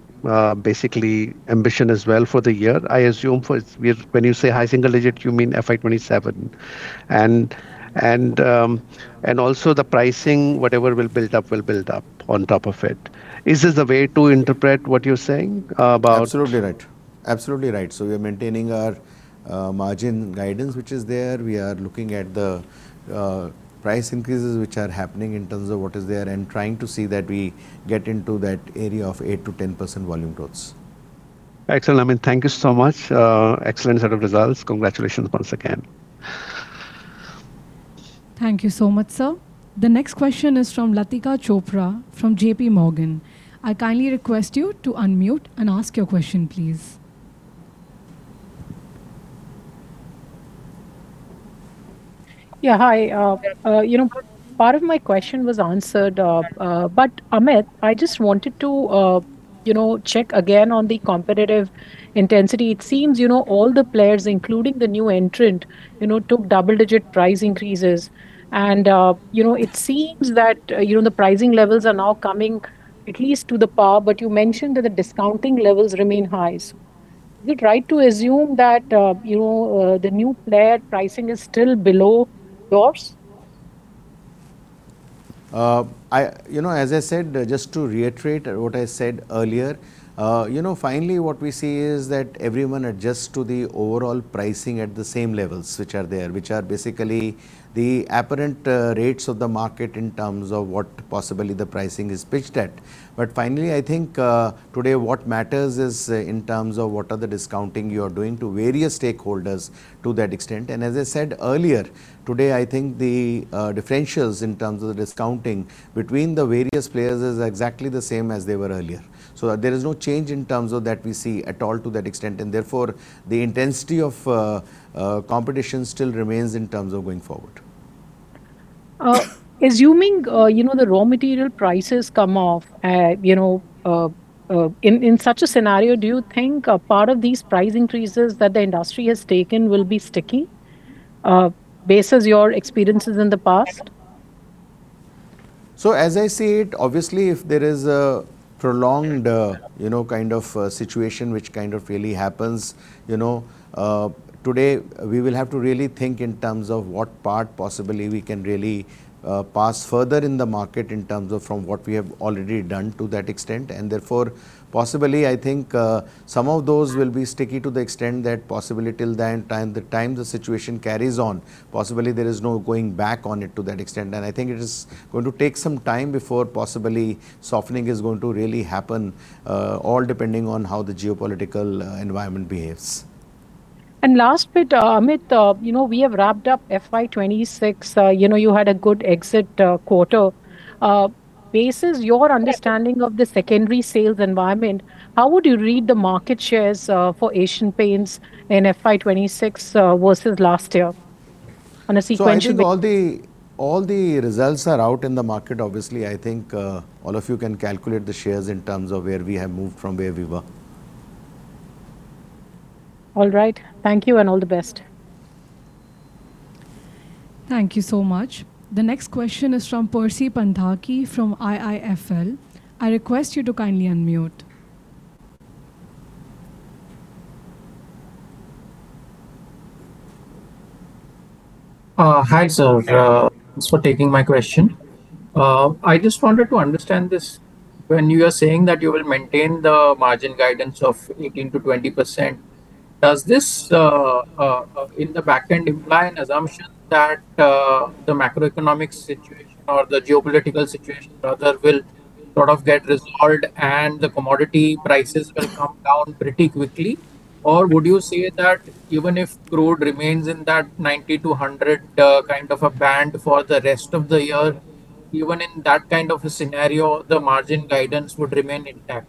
[SPEAKER 6] basically ambition as well for the year. I assume when you say high single digit, you mean FY 2027. Also the pricing, whatever will build up, will build up on top of it. Is this the way to interpret what you're saying?
[SPEAKER 2] Absolutely right. We are maintaining our margin guidance which is there. We are looking at the price increases which are happening in terms of what is there and trying to see that we get into that area of 8%-10% volume growth.
[SPEAKER 6] Excellent. Amit, thank you so much. Excellent set of results. Congratulations once again.
[SPEAKER 3] Thank you so much, sir. Next question is from Latika Chopra from JPMorgan. I kindly request you to unmute and ask your question, please.
[SPEAKER 7] Yeah. Hi. Part of my question was answered. Amit, I just wanted to check again on the competitive intensity. It seems all the players, including the new entrant, took double-digit price increases. It seems that the pricing levels are now coming at least to the par, but you mentioned that the discounting levels remain highs. Is it right to assume that the new player pricing is still below yours?
[SPEAKER 2] As I said, just to reiterate what I said earlier, finally what we see is that everyone adjusts to the overall pricing at the same levels which are there, which are basically the apparent rates of the market in terms of what possibly the pricing is pitched at. Finally, I think today what matters is in terms of what are the discounting you are doing to various stakeholders to that extent. As I said earlier, today, I think the differentials in terms of the discounting between the various players is exactly the same as they were earlier. There is no change in terms of that we see at all to that extent, and therefore, the intensity of competition still remains in terms of going forward.
[SPEAKER 7] Assuming the raw material prices come off, in such a scenario, do you think a part of these price increases that the industry has taken will be sticky, based as your experiences in the past?
[SPEAKER 2] As I see it, obviously, if there is a prolonged kind of situation which kind of really happens. Today, we will have to really think in terms of what part possibly we can really pass further in the market in terms of from what we have already done to that extent. Therefore, possibly, I think some of those will be sticky to the extent that possibly till the time the situation carries on. Possibly there is no going back on it to that extent. I think it is going to take some time before possibly softening is going to really happen, all depending on how the geopolitical environment behaves.
[SPEAKER 7] Last bit, Amit, we have wrapped up FY 2026. You had a good exit quarter. Basis your understanding of the secondary sales environment, how would you read the market shares for Asian Paints in FY 2026 versus last year?
[SPEAKER 2] I think all the results are out in the market. Obviously, I think all of you can calculate the shares in terms of where we have moved from where we were.
[SPEAKER 7] All right. Thank you and all the best.
[SPEAKER 3] Thank you so much. The next question is from Percy Panthaki from IIFL. I request you to kindly unmute.
[SPEAKER 8] Hi, sir. Thanks for taking my question. I just wanted to understand this. When you are saying that you will maintain the margin guidance of 18%-20%, does this in the back end imply an assumption that the macroeconomic situation or the geopolitical situation rather will sort of get resolved and the commodity prices will come down pretty quickly? Would you say that even if crude remains in that $90-$100 kind of a band for the rest of the year, even in that kind of a scenario, the margin guidance would remain intact?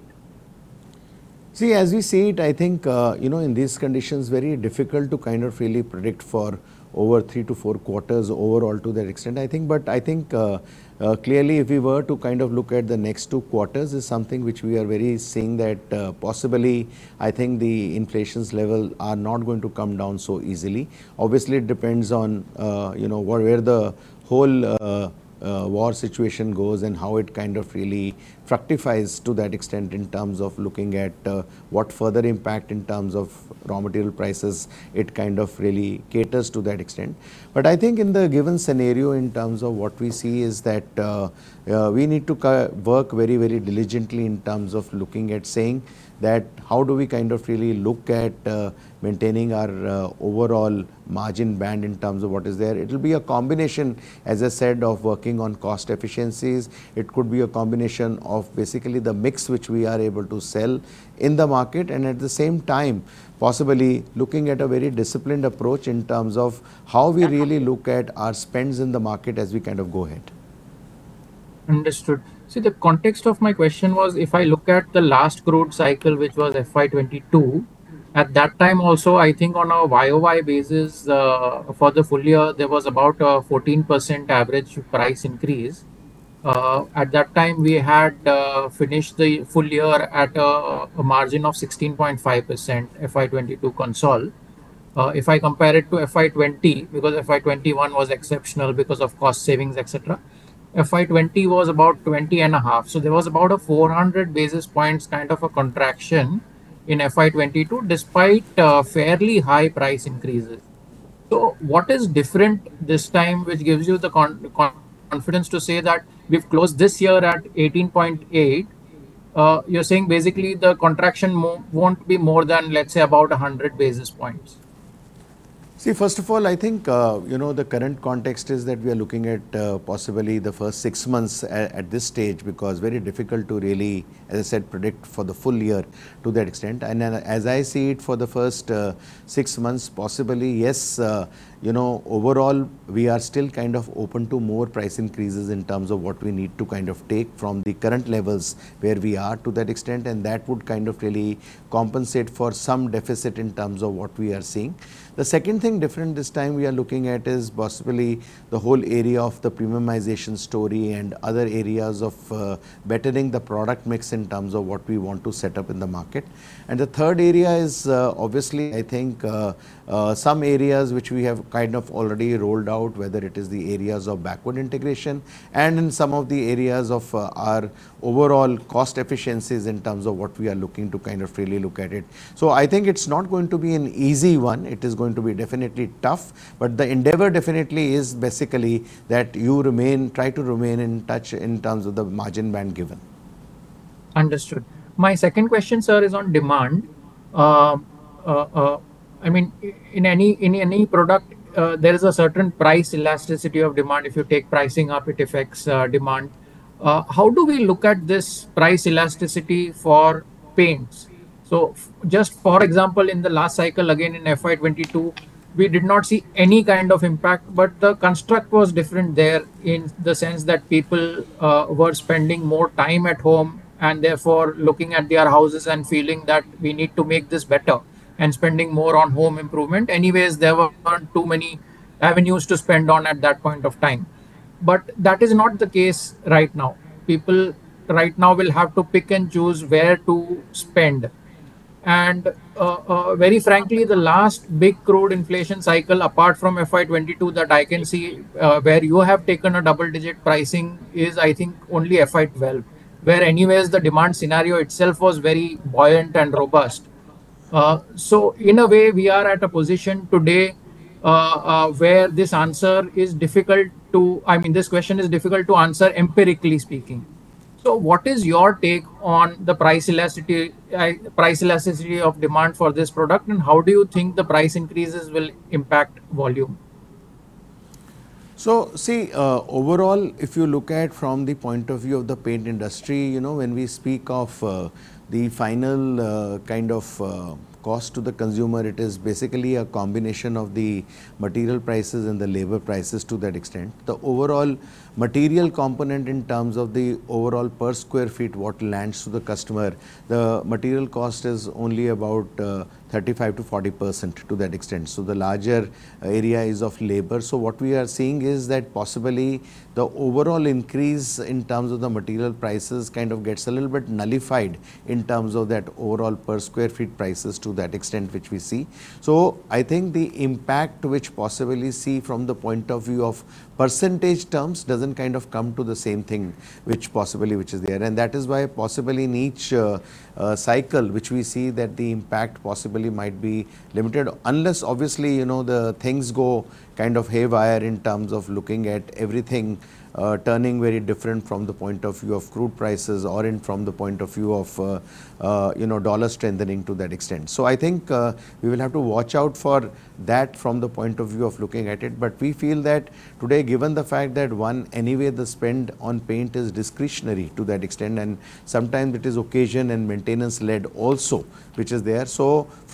[SPEAKER 2] See, as we see it, I think, in these conditions, very difficult to kind of really predict for over three to four quarters overall to that extent, I think. I think, clearly, if we were to look at the next two quarters is something which we are very seeing that possibly, I think the inflations level are not going to come down so easily. Obviously, it depends on where the whole war situation goes and how it kind of really fructifies to that extent in terms of looking at what further impact in terms of raw material prices, it kind of really caters to that extent. I think in the given scenario, in terms of what we see is that we need to work very diligently in terms of looking at saying that how do we kind of really look at maintaining our overall margin band in terms of what is there. It'll be a combination, as I said, of working on cost efficiencies. It could be a combination of basically the mix which we are able to sell in the market. At the same time, possibly looking at a very disciplined approach in terms of how we really look at our spends in the market as we go ahead.
[SPEAKER 8] Understood. The context of my question was, if I look at the last crude cycle, which was FY 2022, at that time also, I think on a YoY basis for the full year, there was about a 14% average price increase. At that time, we had finished the full year at a margin of 16.5% FY 2022 consol. If I compare it to FY 2020, because FY 2021 was exceptional because of cost savings, et cetera. FY 2020 was about 20.5%. There was about a 400 basis points kind of a contraction in FY 2022, despite fairly high price increases. What is different this time, which gives you the confidence to say that we've closed this year at 18.8%? You're saying basically the contraction won't be more than, let's say, about 100 basis points.
[SPEAKER 2] See, first of all, I think, the current context is that we are looking at possibly the first six months at this stage, because very difficult to really, as I said, predict for the full year to that extent. As I see it for the first six months, possibly, yes, overall we are still open to more price increases in terms of what we need to take from the current levels where we are to that extent, and that would really compensate for some deficit in terms of what we are seeing. The second thing different this time we are looking at is possibly the whole area of the premiumization story and other areas of bettering the product mix in terms of what we want to set up in the market. The third area is, obviously, I think some areas which we have kind of already rolled out, whether it is the areas of backward integration and in some of the areas of our overall cost efficiencies in terms of what we are looking to kind of really look at it. I think it's not going to be an easy one. It is going to be definitely tough, but the endeavor definitely is basically that you try to remain in touch in terms of the margin band given.
[SPEAKER 8] Understood. My second question, sir, is on demand. In any product, there is a certain price elasticity of demand. If you take pricing up, it affects demand. How do we look at this price elasticity for paints? Just for example, in the last cycle, again in FY 2022, we did not see any kind of impact, but the construct was different there in the sense that people were spending more time at home, and therefore looking at their houses and feeling that we need to make this better and spending more on home improvement. Anyways, there weren't too many avenues to spend on at that point of time. But that is not the case right now. People right now will have to pick and choose where to spend. Very frankly, the last big crude inflation cycle apart from FY 2022 that I can see, where you have taken a double-digit pricing is, I think only FY 2012, where anyways the demand scenario itself was very buoyant and robust. In a way we are at a position today where this question is difficult to answer empirically speaking. What is your take on the price elasticity of demand for this product, and how do you think the price increases will impact volume?
[SPEAKER 2] Overall, if you look at from the point of view of the paint industry, when we speak of the final cost to the consumer, it is basically a combination of the material prices and the labor prices to that extent. The overall material component in terms of the overall per square feet, what lands to the customer, the material cost is only about 35%-40% to that extent. The larger area is of labor. What we are seeing is that possibly the overall increase in terms of the material prices kind of gets a little bit nullified in terms of that overall per square feet prices to that extent which we see. I think the impact which possibly see from the point of view of percentage terms doesn't come to the same thing, which possibly is there. That is why possibly in each cycle, which we see that the impact possibly might be limited unless obviously, the things go kind of haywire in terms of looking at everything, turning very different from the point of view of crude prices or in from the point of view of dollar strengthening to that extent. I think we will have to watch out for that from the point of view of looking at it. We feel that today, given the fact that, one, anyway, the spend on paint is discretionary to that extent, and sometimes it is occasion and maintenance-led also, which is there.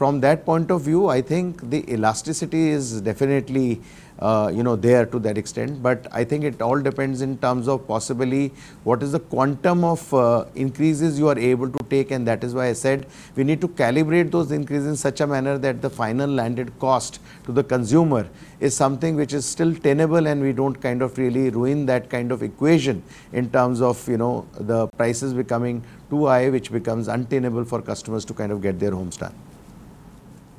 [SPEAKER 2] From that point of view, I think the elasticity is definitely there to that extent. I think it all depends in terms of possibly what is the quantum of increases you are able to take, and that is why I said we need to calibrate those increases in such a manner that the final landed cost to the consumer is something which is still tenable and we don't really ruin that kind of equation in terms of the prices becoming too high, which becomes untenable for customers to get their homes done.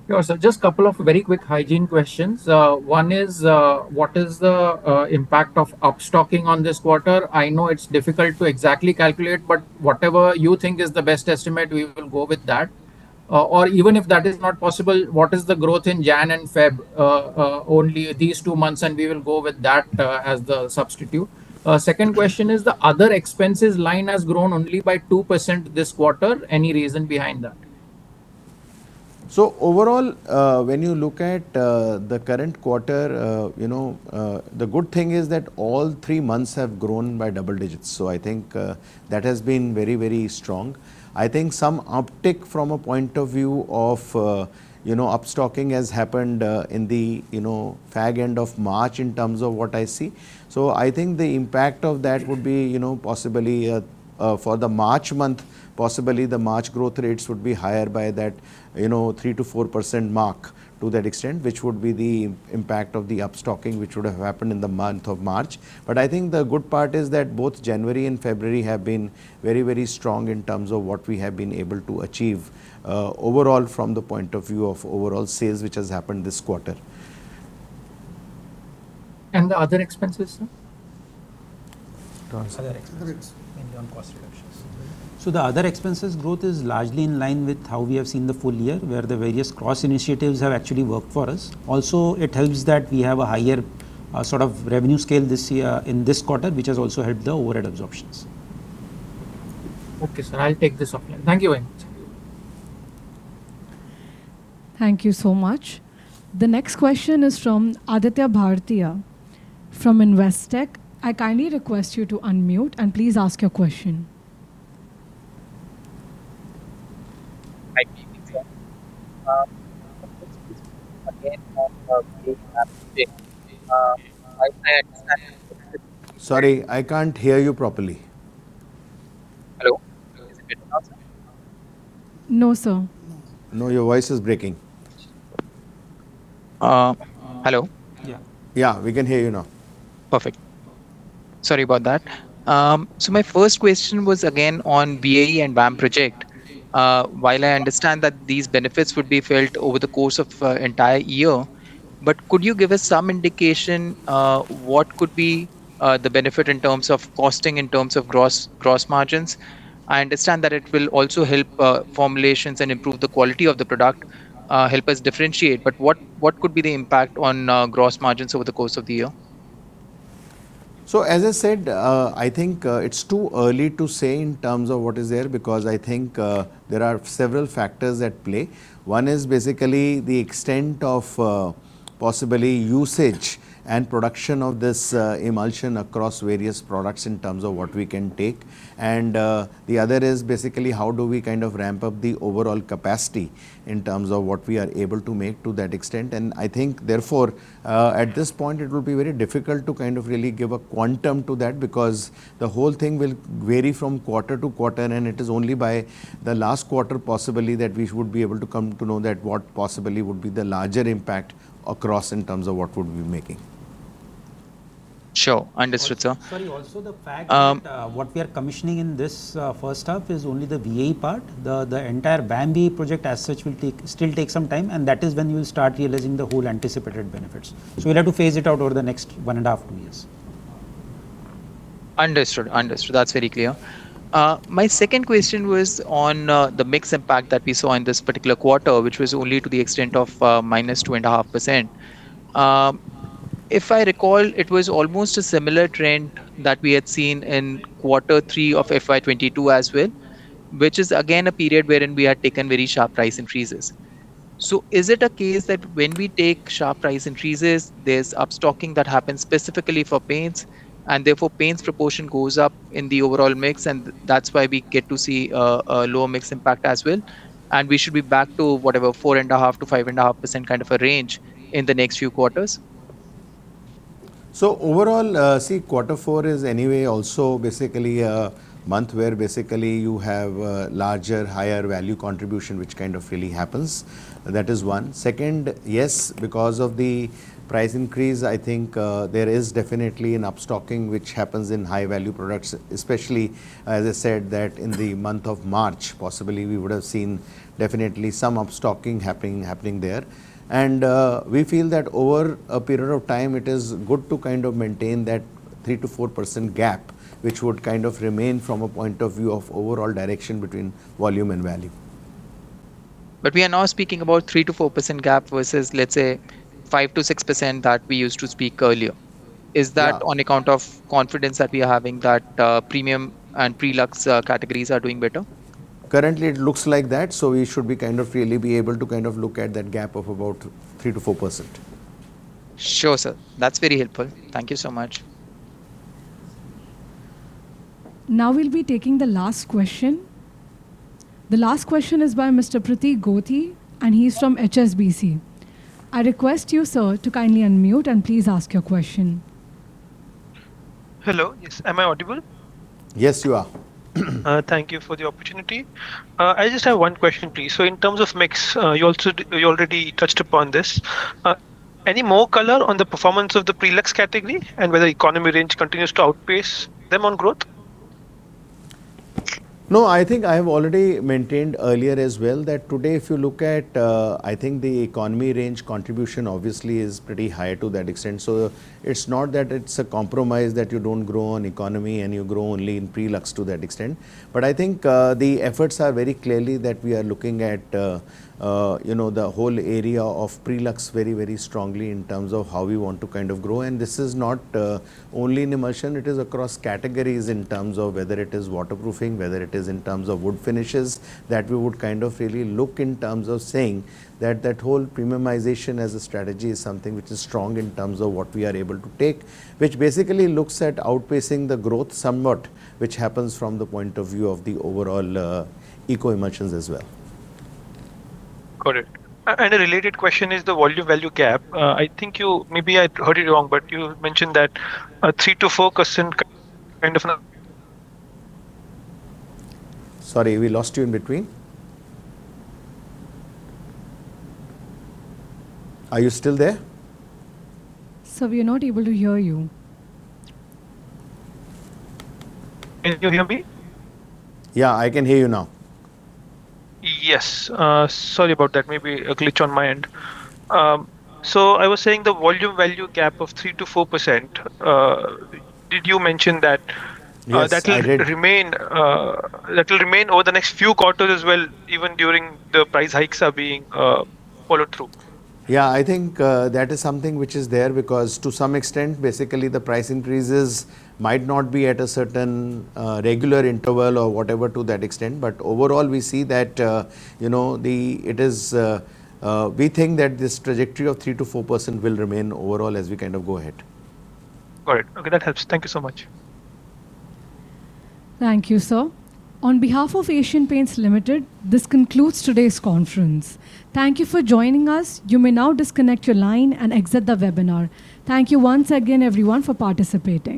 [SPEAKER 8] Yeah. Just couple of very quick hygiene questions. One is, what is the impact of upstocking on this quarter? I know it's difficult to exactly calculate, but whatever you think is the best estimate, we will go with that. Or even if that is not possible, what is the growth in Jan and Feb, only these two months, and we will go with that as the substitute. Second question is, the other expenses line has grown only by 2% this quarter. Any reason behind that?
[SPEAKER 2] Overall, when you look at the current quarter, the good thing is that all three months have grown by double digits. I think that has been very strong. I think some uptick from a point of view of upstocking has happened in the fag end of March in terms of what I see. I think the impact of that would be possibly for the March month, possibly the March growth rates would be higher by that 3%-4% mark to that extent, which would be the impact of the upstocking, which would have happened in the month of March. I think the good part is that both January and February have been very strong in terms of what we have been able to achieve overall from the point of view of overall sales, which has happened this quarter.
[SPEAKER 8] The other expenses, sir?
[SPEAKER 9] Other expenses in terms of cost reductions. The other expenses growth is largely in line with how we have seen the full year, where the various cross initiatives have actually worked for us. It helps that we have a higher sort of revenue scale in this quarter, which has also helped the overhead absorptions.
[SPEAKER 8] Okay, sir. I'll take this offline. Thank you very much.
[SPEAKER 3] Thank you so much. The next question is from Aditya Bhartia from Investec. I kindly request you to unmute and please ask your question.
[SPEAKER 10] Hi. Can you hear me, sir? Again, on VAE and VAM.
[SPEAKER 2] Sorry, I can't hear you properly.
[SPEAKER 10] Hello. Is it better now, sir?
[SPEAKER 3] No, sir.
[SPEAKER 2] No, your voice is breaking.
[SPEAKER 10] Hello?
[SPEAKER 9] Yeah.
[SPEAKER 2] Yeah, we can hear you now.
[SPEAKER 10] Perfect. Sorry about that. My first question was again on VAE and VAM project. While I understand that these benefits would be felt over the course of entire year, but could you give us some indication what could be the benefit in terms of costing, in terms of gross margins? I understand that it will also help formulations and improve the quality of the product, help us differentiate. What could be the impact on gross margins over the course of the year?
[SPEAKER 2] As I said, I think it's too early to say in terms of what is there, because I think there are several factors at play. One is basically the extent of possibly usage and production of this emulsion across various products in terms of what we can take. The other is basically how do we ramp up the overall capacity in terms of what we are able to make to that extent. I think therefore, at this point it will be very difficult to really give a quantum to that because the whole thing will vary from quarter to quarter, and it is only by the last quarter possibly that we would be able to come to know that what possibly would be the larger impact across in terms of what would we be making.
[SPEAKER 10] Sure. Understood, sir.
[SPEAKER 9] Sorry. The fact that what we are commissioning in this first half is only the VAE part. The entire VAM VAE project as such will still take some time, and that is when you'll start realizing the whole anticipated benefits. We'll have to phase it out over the next one and a half, two years.
[SPEAKER 10] Understood. That's very clear. My second question was on the mix impact that we saw in this particular quarter, which was only to the extent of -2.5%. If I recall, it was almost a similar trend that we had seen in quarter three of FY 2022 as well, which is again a period wherein we had taken very sharp price increases. Is it a case that when we take sharp price increases, there's upstocking that happens specifically for paints, and therefore paints proportion goes up in the overall mix, and that's why we get to see a lower mix impact as well, and we should be back to whatever, 4.5%-5.5% kind of a range in the next few quarters?
[SPEAKER 2] Overall, see, quarter four is anyway also basically a month where you have a larger, higher value contribution, which kind of really happens. That is one. Second, yes, because of the price increase, I think there is definitely an upstocking which happens in high-value products, especially, as I said, that in the month of March, possibly we would have seen definitely some upstocking happening there. We feel that over a period of time, it is good to kind of maintain that 3%-4% gap, which would kind of remain from a point of view of overall direction between volume and value.
[SPEAKER 10] We are now speaking about 3%-4% gap versus, let's say, 5%-6% that we used to speak earlier.
[SPEAKER 2] Yeah.
[SPEAKER 10] Is that on account of confidence that we are having that premium and pre-lux categories are doing better?
[SPEAKER 2] Currently, it looks like that, we should be kind of really be able to kind of look at that gap of about 3%-4%.
[SPEAKER 10] Sure, sir. That's very helpful. Thank you so much.
[SPEAKER 3] We'll be taking the last question. The last question is by Mr. Pratik Gothi, and he is from HSBC. I request you, sir, to kindly unmute, and please ask your question.
[SPEAKER 11] Hello. Yes. Am I audible?
[SPEAKER 2] Yes, you are.
[SPEAKER 11] Thank you for the opportunity. I just have one question, please. In terms of mix, you already touched upon this. Any more color on the performance of the pre-lux category and whether economy range continues to outpace them on growth?
[SPEAKER 2] I think I have already maintained earlier as well, that today if you look at, I think the economy range contribution obviously is pretty high to that extent. It's not that it's a compromise that you don't grow on economy and you grow only in pre-lux to that extent. I think the efforts are very clearly that we are looking at the whole area of pre-lux very strongly in terms of how we want to kind of grow. This is not only in emulsion, it is across categories in terms of whether it is waterproofing, whether it is in terms of wood finishes, that we would kind of really look in terms of saying that that whole premiumization as a strategy is something which is strong in terms of what we are able to take, which basically looks at outpacing the growth somewhat, which happens from the point of view of the overall eco emulsions as well.
[SPEAKER 11] Got it. A related question is the volume-value gap. Maybe I heard it wrong, you mentioned that 3%-4% kind of
[SPEAKER 2] Sorry, we lost you in between. Are you still there?
[SPEAKER 3] Sir, we are not able to hear you.
[SPEAKER 11] Can you hear me?
[SPEAKER 2] Yeah, I can hear you now.
[SPEAKER 11] Yes. Sorry about that. Maybe a glitch on my end. I was saying the volume-value gap of 3%-4%. Did you mention that-
[SPEAKER 2] Yes, I did.
[SPEAKER 11] ...that will remain over the next few quarters as well, even during the price hikes are being followed through?
[SPEAKER 2] Yeah, I think that is something which is there because to some extent, basically the price increases might not be at a certain regular interval or whatever to that extent. Overall, we see that we think that this trajectory of 3%-4% will remain overall as we kind of go ahead.
[SPEAKER 11] Got it. Okay. That helps. Thank you so much.
[SPEAKER 3] Thank you, sir. On behalf of Asian Paints Limited, this concludes today's conference. Thank you for joining us. You may now disconnect your line and exit the webinar. Thank you once again, everyone, for participating.